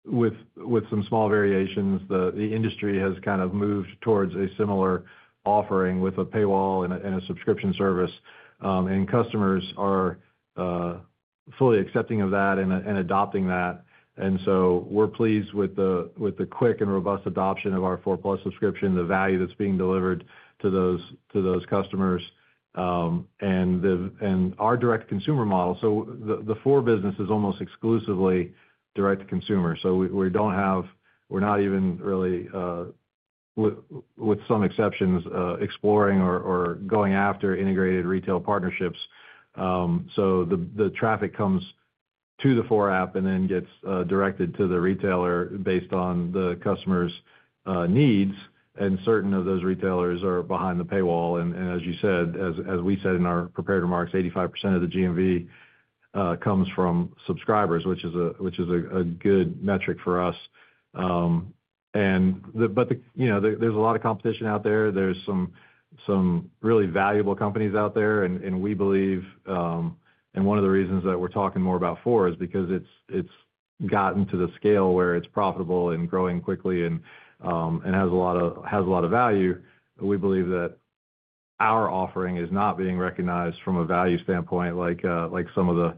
With some small variations, the industry has kind of moved towards a similar offering with a paywall and a subscription service. Customers are fully accepting of that and adopting that. We're pleased with the quick and robust adoption of our Four+ subscription, the value that's being delivered to those customers, and our direct-to-consumer model. The Four business is almost exclusively direct-to-consumer. We don't have, we're not even really, with some exceptions, exploring or going after integrated retail partnerships. The traffic comes to the Four app and then gets directed to the retailer based on the customer's needs. Certain of those retailers are behind the paywall. As you said, as we said in our prepared remarks, 85% of the GMV comes from subscribers, which is a good metric for us. There's a lot of competition out there. There are some really valuable companies out there. We believe, and one of the reasons that we're talking more about Four is because it's gotten to the scale where it's profitable and growing quickly and has a lot of value. We believe that our offering is not being recognized from a value standpoint like some of the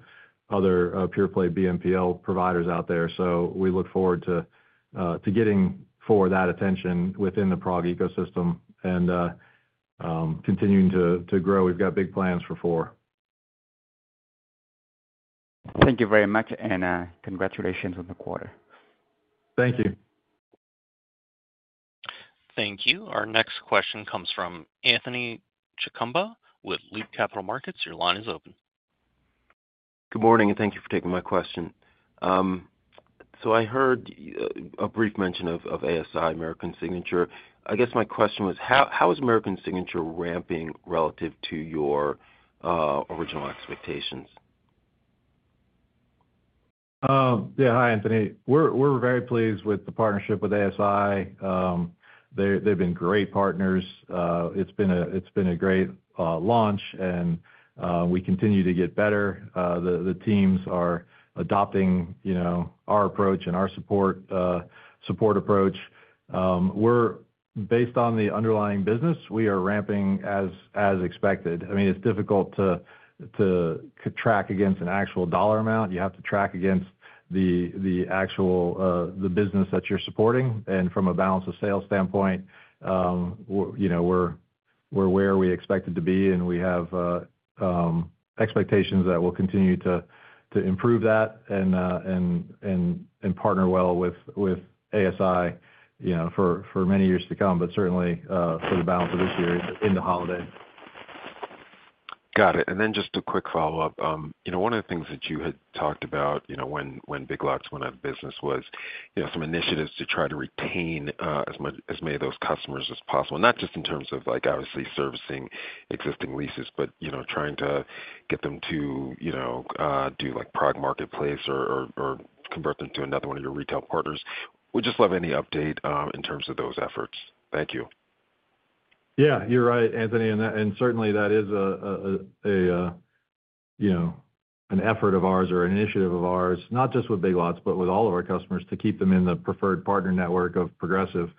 other pure-play BNPL providers out there. We look forward to getting Four that attention within the PROG ecosystem and continuing to grow. We've got big plans for Four. Thank you very much, and congratulations on the quarter. Thank you. Thank you. Our next question comes from Anthony Chukumba with Loop Capital Markets. Your line is open. Good morning, and thank you for taking my question. I heard a brief mention of ASI, American Signature. My question was, how is American Signature ramping relative to your original expectations? Yeah, hi, Anthony. We're very pleased with the partnership with ASI. They've been great partners. It's been a great launch, and we continue to get better. The teams are adopting our approach and our support approach. We're based on the underlying business. We are ramping as expected. It's difficult to track against an actual dollar amount. You have to track against the actual business that you're supporting. From a balance of sales standpoint, we're where we expect to be, and we have expectations that we'll continue to improve that and partner well with ASI for many years to come, certainly for the balance of this year into holiday. Got it. Just a quick follow-up. One of the things that you had talked about when Big Lots went out of business was some initiatives to try to retain as many of those customers as possible, not just in terms of obviously servicing existing leases, but trying to get them to do PROG Marketplace or convert them to another one of your retail partners. Would just love any update in terms of those efforts. Thank you. Yeah, you're right, Anthony. That is an effort of ours or an initiative of ours, not just with Big Lots, but with all of our customers to keep them in the preferred partner network of Progressive,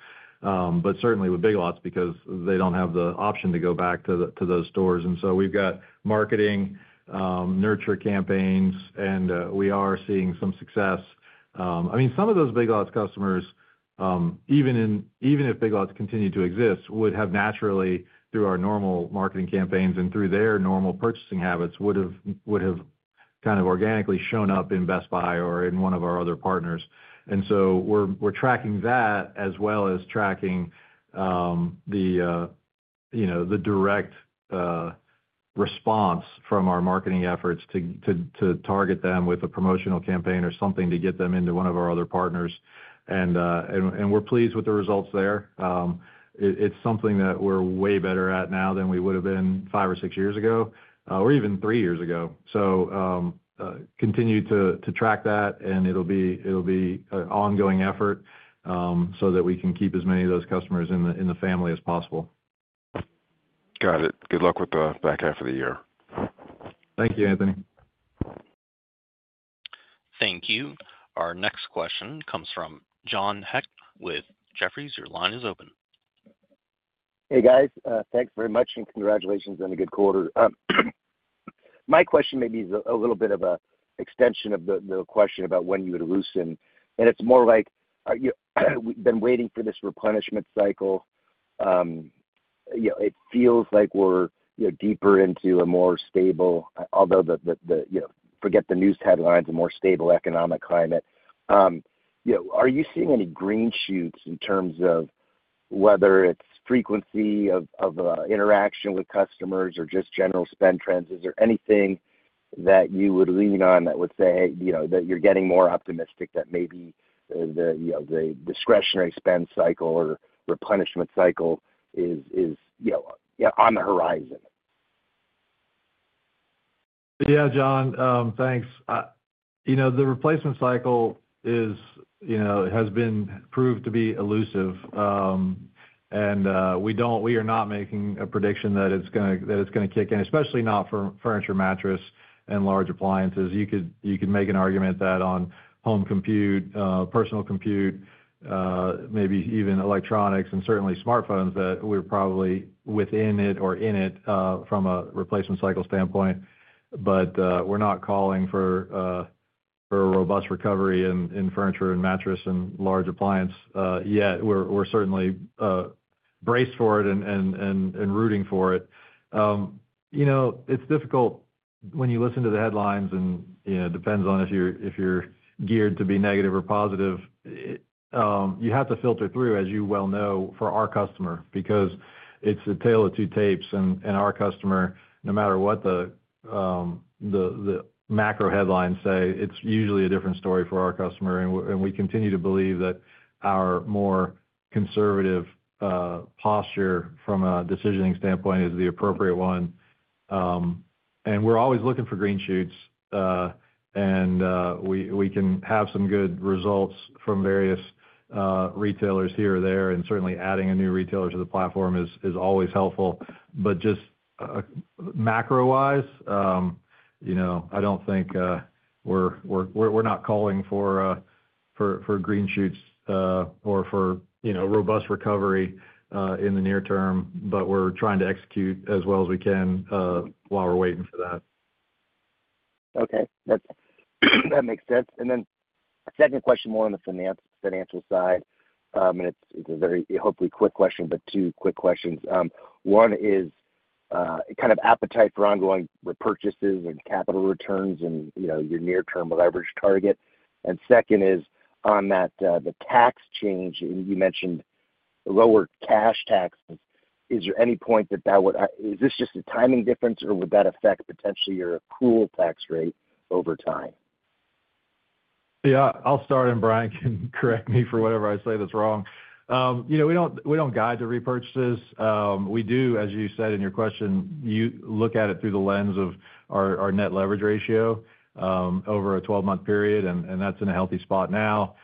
but certainly with Big Lots because they don't have the option to go back to those stores. We've got marketing, nurture campaigns, and we are seeing some success. Some of those Big Lots customers, even if Big Lots continued to exist, would have naturally, through our normal marketing campaigns and through their normal purchasing habits, would have kind of organically shown up in Best Buy or in one of our other partners. We're tracking that as well as tracking the direct response from our marketing efforts to target them with a promotional campaign or something to get them into one of our other partners. We're pleased with the results there. It's something that we're way better at now than we would have been five or six years ago or even three years ago. We continue to track that, and it'll be an ongoing effort so that we can keep as many of those customers in the family as possible. Got it. Good luck with the back half of the year. Thank you, Anthony. Thank you. Our next question comes from John Hecht with Jefferies. Your line is open. Hey, guys. Thanks very much and congratulations on a good quarter. My question may be a little bit of an extension of the question about when you would loosen, and it's more like, we've been waiting for this replenishment cycle. It feels like we're deeper into a more stable, although forget the news headlines, a more stable economic climate. Are you seeing any green shoots in terms of whether it's frequency of interaction with customers or just general spend trends? Is there anything that you would lean on that would say, hey, you know, that you're getting more optimistic that maybe the discretionary spend cycle or replenishment cycle is, you know, on the horizon? Yeah, John, thanks. You know, the replacement cycle has been proved to be elusive. We are not making a prediction that it's going to kick in, especially not for furniture, mattress, and large appliances. You could make an argument that on home compute, personal compute, maybe even electronics, and certainly smartphones that we're probably within it or in it from a replacement cycle standpoint. We're not calling for a robust recovery in furniture and mattress and large appliance yet. We're certainly braced for it and rooting for it. It's difficult when you listen to the headlines, and it depends on if you're geared to be negative or positive. You have to filter through, as you well know, for our customer because it's a tale of two tapes. Our customer, no matter what the macro headlines say, it's usually a different story for our customer. We continue to believe that our more conservative posture from a decisioning standpoint is the appropriate one. We're always looking for green shoots. We can have some good results from various retailers here or there. Certainly, adding a new retailer to the platform is always helpful. Just macro-wise, I don't think we're calling for green shoots or for a robust recovery in the near term, but we're trying to execute as well as we can while we're waiting for that. Okay. That makes sense. Second question, more on the financial side. It's a very, hopefully, quick question, but two quick questions. One is kind of appetite for ongoing repurchases and capital returns, your near-term leverage target. Second is on that, the tax change, and you mentioned a lower cash tax. Is there any point that that would, is this just a timing difference, or would that affect potentially your accrual tax rate over time? Yeah, I'll start and Brian, correct me for whatever I say that's wrong. You know, we don't guide to repurchases. We do, as you said in your question, look at it through the lens of our net leverage ratio over a 12-month period, and that's in a healthy spot now.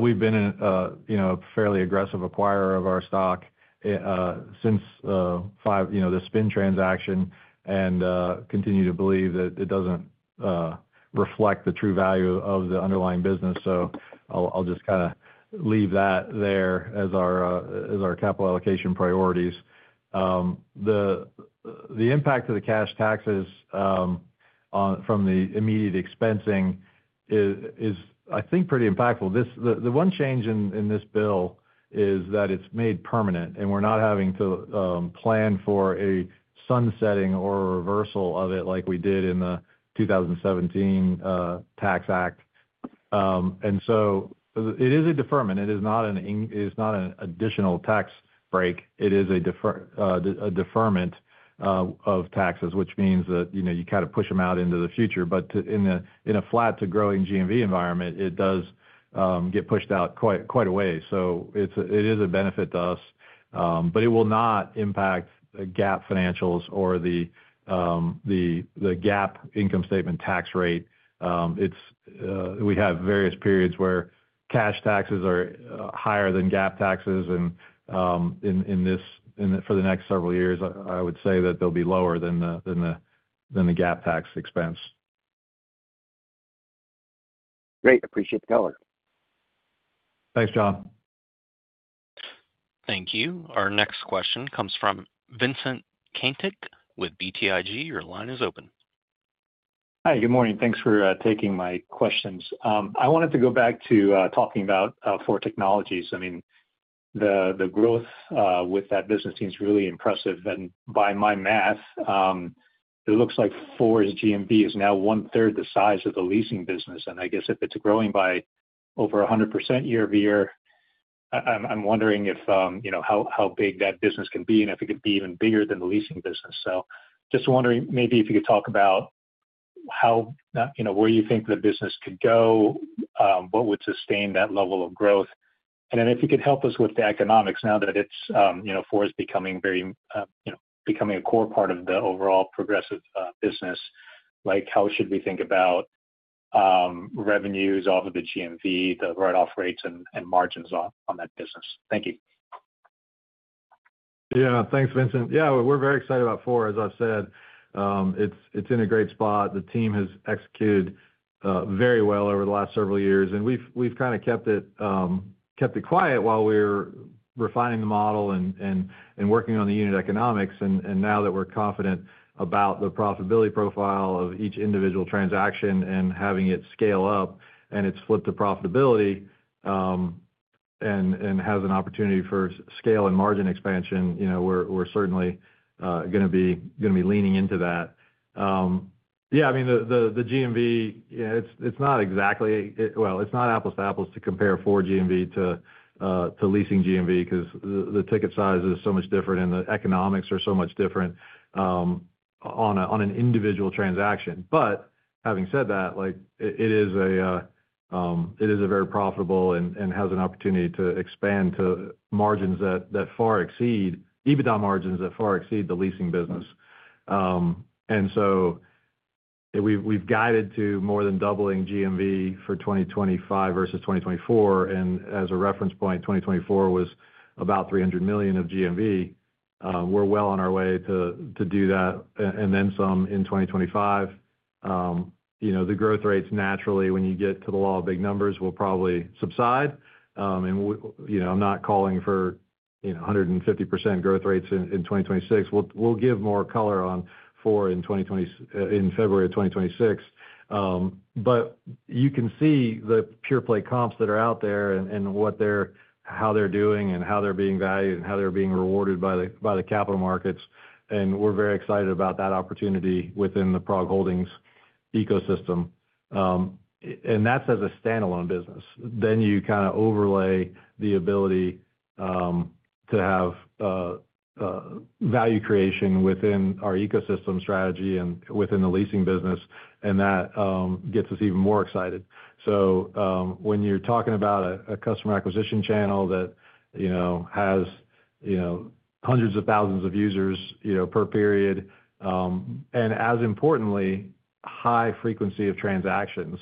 We've been a fairly aggressive acquirer of our stock since the spin transaction and continue to believe that it doesn't reflect the true value of the underlying business. I'll just kind of leave that there as our capital allocation priorities. The impact of the cash taxes from the immediate expensing is, I think, pretty impactful. The one change in this bill is that it's made permanent, and we're not having to plan for a sunsetting or a reversal of it like we did in the 2017 Tax Act. It is a deferment. It is not an additional tax break. It is a deferment of taxes, which means that you kind of push them out into the future. In a flat to growing GMV environment, it does get pushed out quite a way. It is a benefit to us, but it will not impact GAAP financials or the GAAP income statement tax rate. We have various periods where cash taxes are higher than GAAP taxes. For the next several years, I would say that they'll be lower than the GAAP tax expense. Great. Appreciate the color. Thanks, John. Thank you. Our next question comes from Vincent Cainwith BTIG. Your line is open. Hi, good morning. Thanks for taking my questions. I wanted to go back to talking about Four Technologies. I mean, the growth with that business team is really impressive. By my math, it looks like Four's GMV is now one-third the size of the leasing business. If it's growing by over 100% year-over-year, I'm wondering how big that business can be and if it could be even bigger than the leasing business. Just wondering if you could talk about where you think the business could go, what would sustain that level of growth. If you could help us with the economics now that Four is becoming a core part of the overall Progressive Leasing business, like how should we think about revenues off of the GMV, the write-off rates, and margins on that business. Thank you. Yeah, thanks, Vincent. Yeah, we're very excited about Four. As I've said, it's in a great spot. The team has executed very well over the last several years. We've kind of kept it quiet while we're refining the model and working on the unit economics. Now that we're confident about the profitability profile of each individual transaction and having it scale up and it's flipped to profitability and has an opportunity for scale and margin expansion, we're certainly going to be leaning into that. I mean, the GMV, it's not exactly, well, it's not apples to apples to compare Four GMV to leasing GMV because the ticket size is so much different and the economics are so much different on an individual transaction. Having said that, it is very profitable and has an opportunity to expand to margins that far exceed EBITDA margins that far exceed the leasing business. We've guided to more than doubling GMV for 2025 versus 2024. As a reference point, 2024 was about $300 million of GMV. We're well on our way to do that and then some in 2025. The growth rates naturally, when you get to the law of big numbers, will probably subside. I'm not calling for 150% growth rates in 2026. We'll give more color on Four in February of 2026. You can see the pure-play comps that are out there and how they're doing and how they're being valued and how they're being rewarded by the capital markets. We're very excited about that opportunity within the PROG Holdings ecosystem. That's as a standalone business. You kind of overlay the ability to have value creation within our ecosystem strategy and within the leasing business. That gets us even more excited. When you're talking about a customer acquisition channel that has hundreds of thousands of users per period, and as importantly, high frequency of transactions,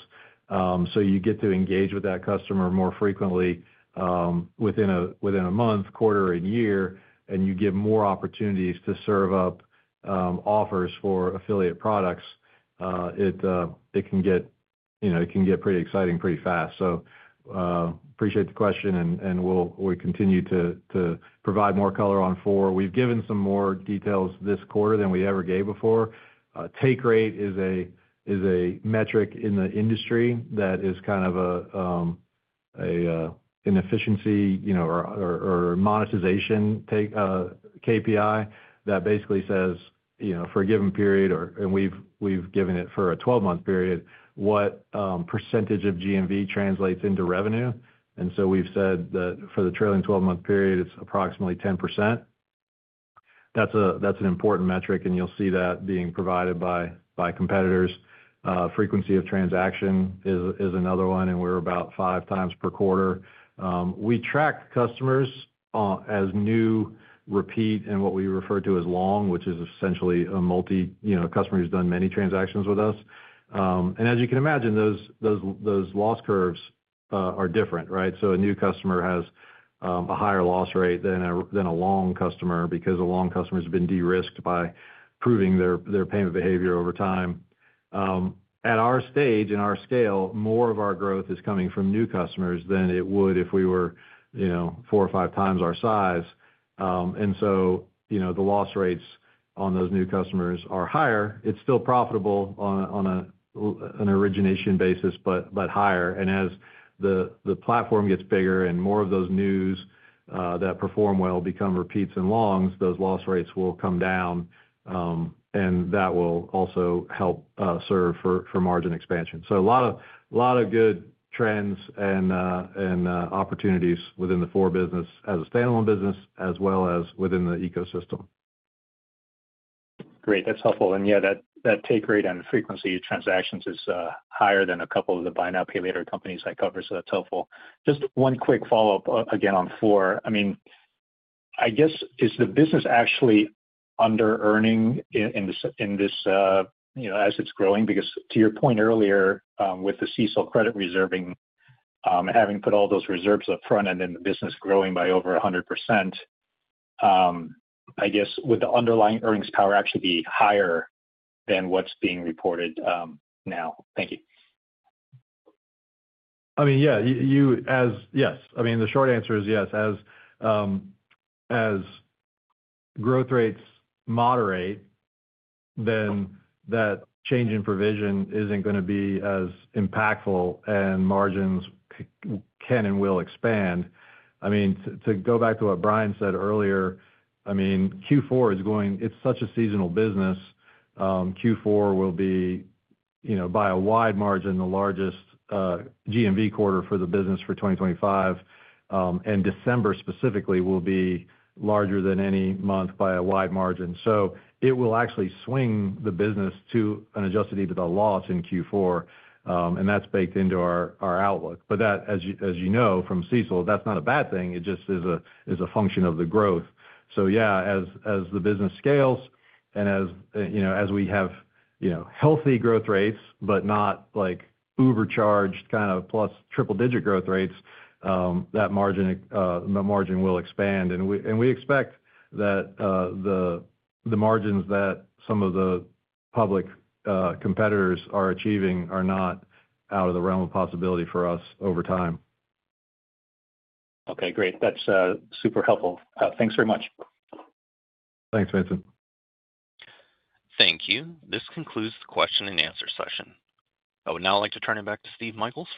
you get to engage with that customer more frequently within a month, quarter, and year, and you give more opportunities to serve up offers for affiliate products. It can get pretty exciting pretty fast. I appreciate the question, and we'll continue to provide more color on Four. We've given some more details this quarter than we ever gave before. Take rate is a metric in the industry that is kind of an efficiency or monetization KPI that basically says, for a given period, and we've given it for a 12-month period, what percentage of GMV translates into revenue. We've said that for the trailing 12-month period, it's approximately 10%. That's That's an important metric. You'll see that being provided by competitors. Frequency of transaction is another one. We're about 5x per quarter. We track customers as new, repeat, and what we refer to as long, which is essentially a multi, you know, a customer who's done many transactions with us. As you can imagine, those loss curves are different, right? A new customer has a higher loss rate than a long customer because a long customer has been de-risked by proving their payment behavior over time. At our stage and our scale, more of our growth is coming from new customers than it would if we were, you know, 4x or 5x our size. The loss rates on those new customers are higher. It's still profitable on an origination basis, but higher. As the platform gets bigger and more of those new customers that perform well become repeats and longs, those loss rates will come down. That will also help serve for margin expansion. A lot of good trends and opportunities within the Four business as a standalone business, as well as within the ecosystem. Great, that's helpful. That take rate and frequency of transactions is higher than a couple of the buy-now, pay-later companies I cover. That's helpful. Just one quick follow-up again on Four. I mean, I guess is the business actually under earning in this, you know, as it's growing? Because to your point earlier, with the CECL credit reserving, having put all those reserves up front and then the business growing by over 100%, I guess would the underlying earnings power actually be higher than what's being reported now? Thank you. Yes, the short answer is yes. As growth rates moderate, then that change in provision isn't going to be as impactful and margins can and will expand. To go back to what Brian said earlier, Q4 is going, it's such a seasonal business. Q4 will be, by a wide margin, the largest GMV quarter for the business for 2025. December specifically will be larger than any month by a wide margin. It will actually swing the business to an adjusted EBITDA loss in Q4, and that's baked into our outlook. As you know from Cecil, that's not a bad thing. It just is a function of the growth. As the business scales, and as we have healthy growth rates, but not like overcharged kind of plus triple digit growth rates, that margin will expand. We expect that the margins that some of the public competitors are achieving are not out of the realm of possibility for us over time. Okay, great. That's super helpful. Thanks very much. Thanks, Vincent. Thank you. This concludes the question and answer session. I would now like to turn it back to Steve Michaels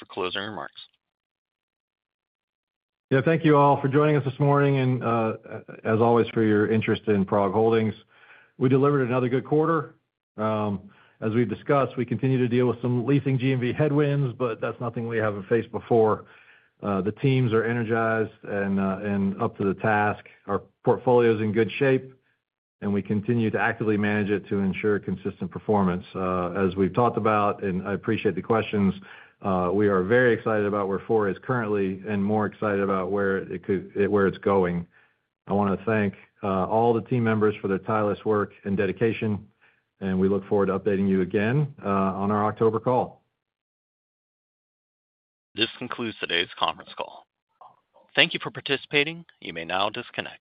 for closing remarks. Thank you all for joining us this morning, and as always, for your interest in PROG Holdings. We delivered another good quarter. As we discussed, we continue to deal with some leasing GMV headwinds, but that's nothing we haven't faced before. The teams are energized and up to the task. Our portfolio is in good shape, and we continue to actively manage it to ensure consistent performance. As we've talked about, and I appreciate the questions, we are very excited about where Four is currently and more excited about where it could, where it's going. I want to thank all the team members for their tireless work and dedication. We look forward to updating you again on our October call. This concludes today's conference call. Thank you for participating. You may now disconnect.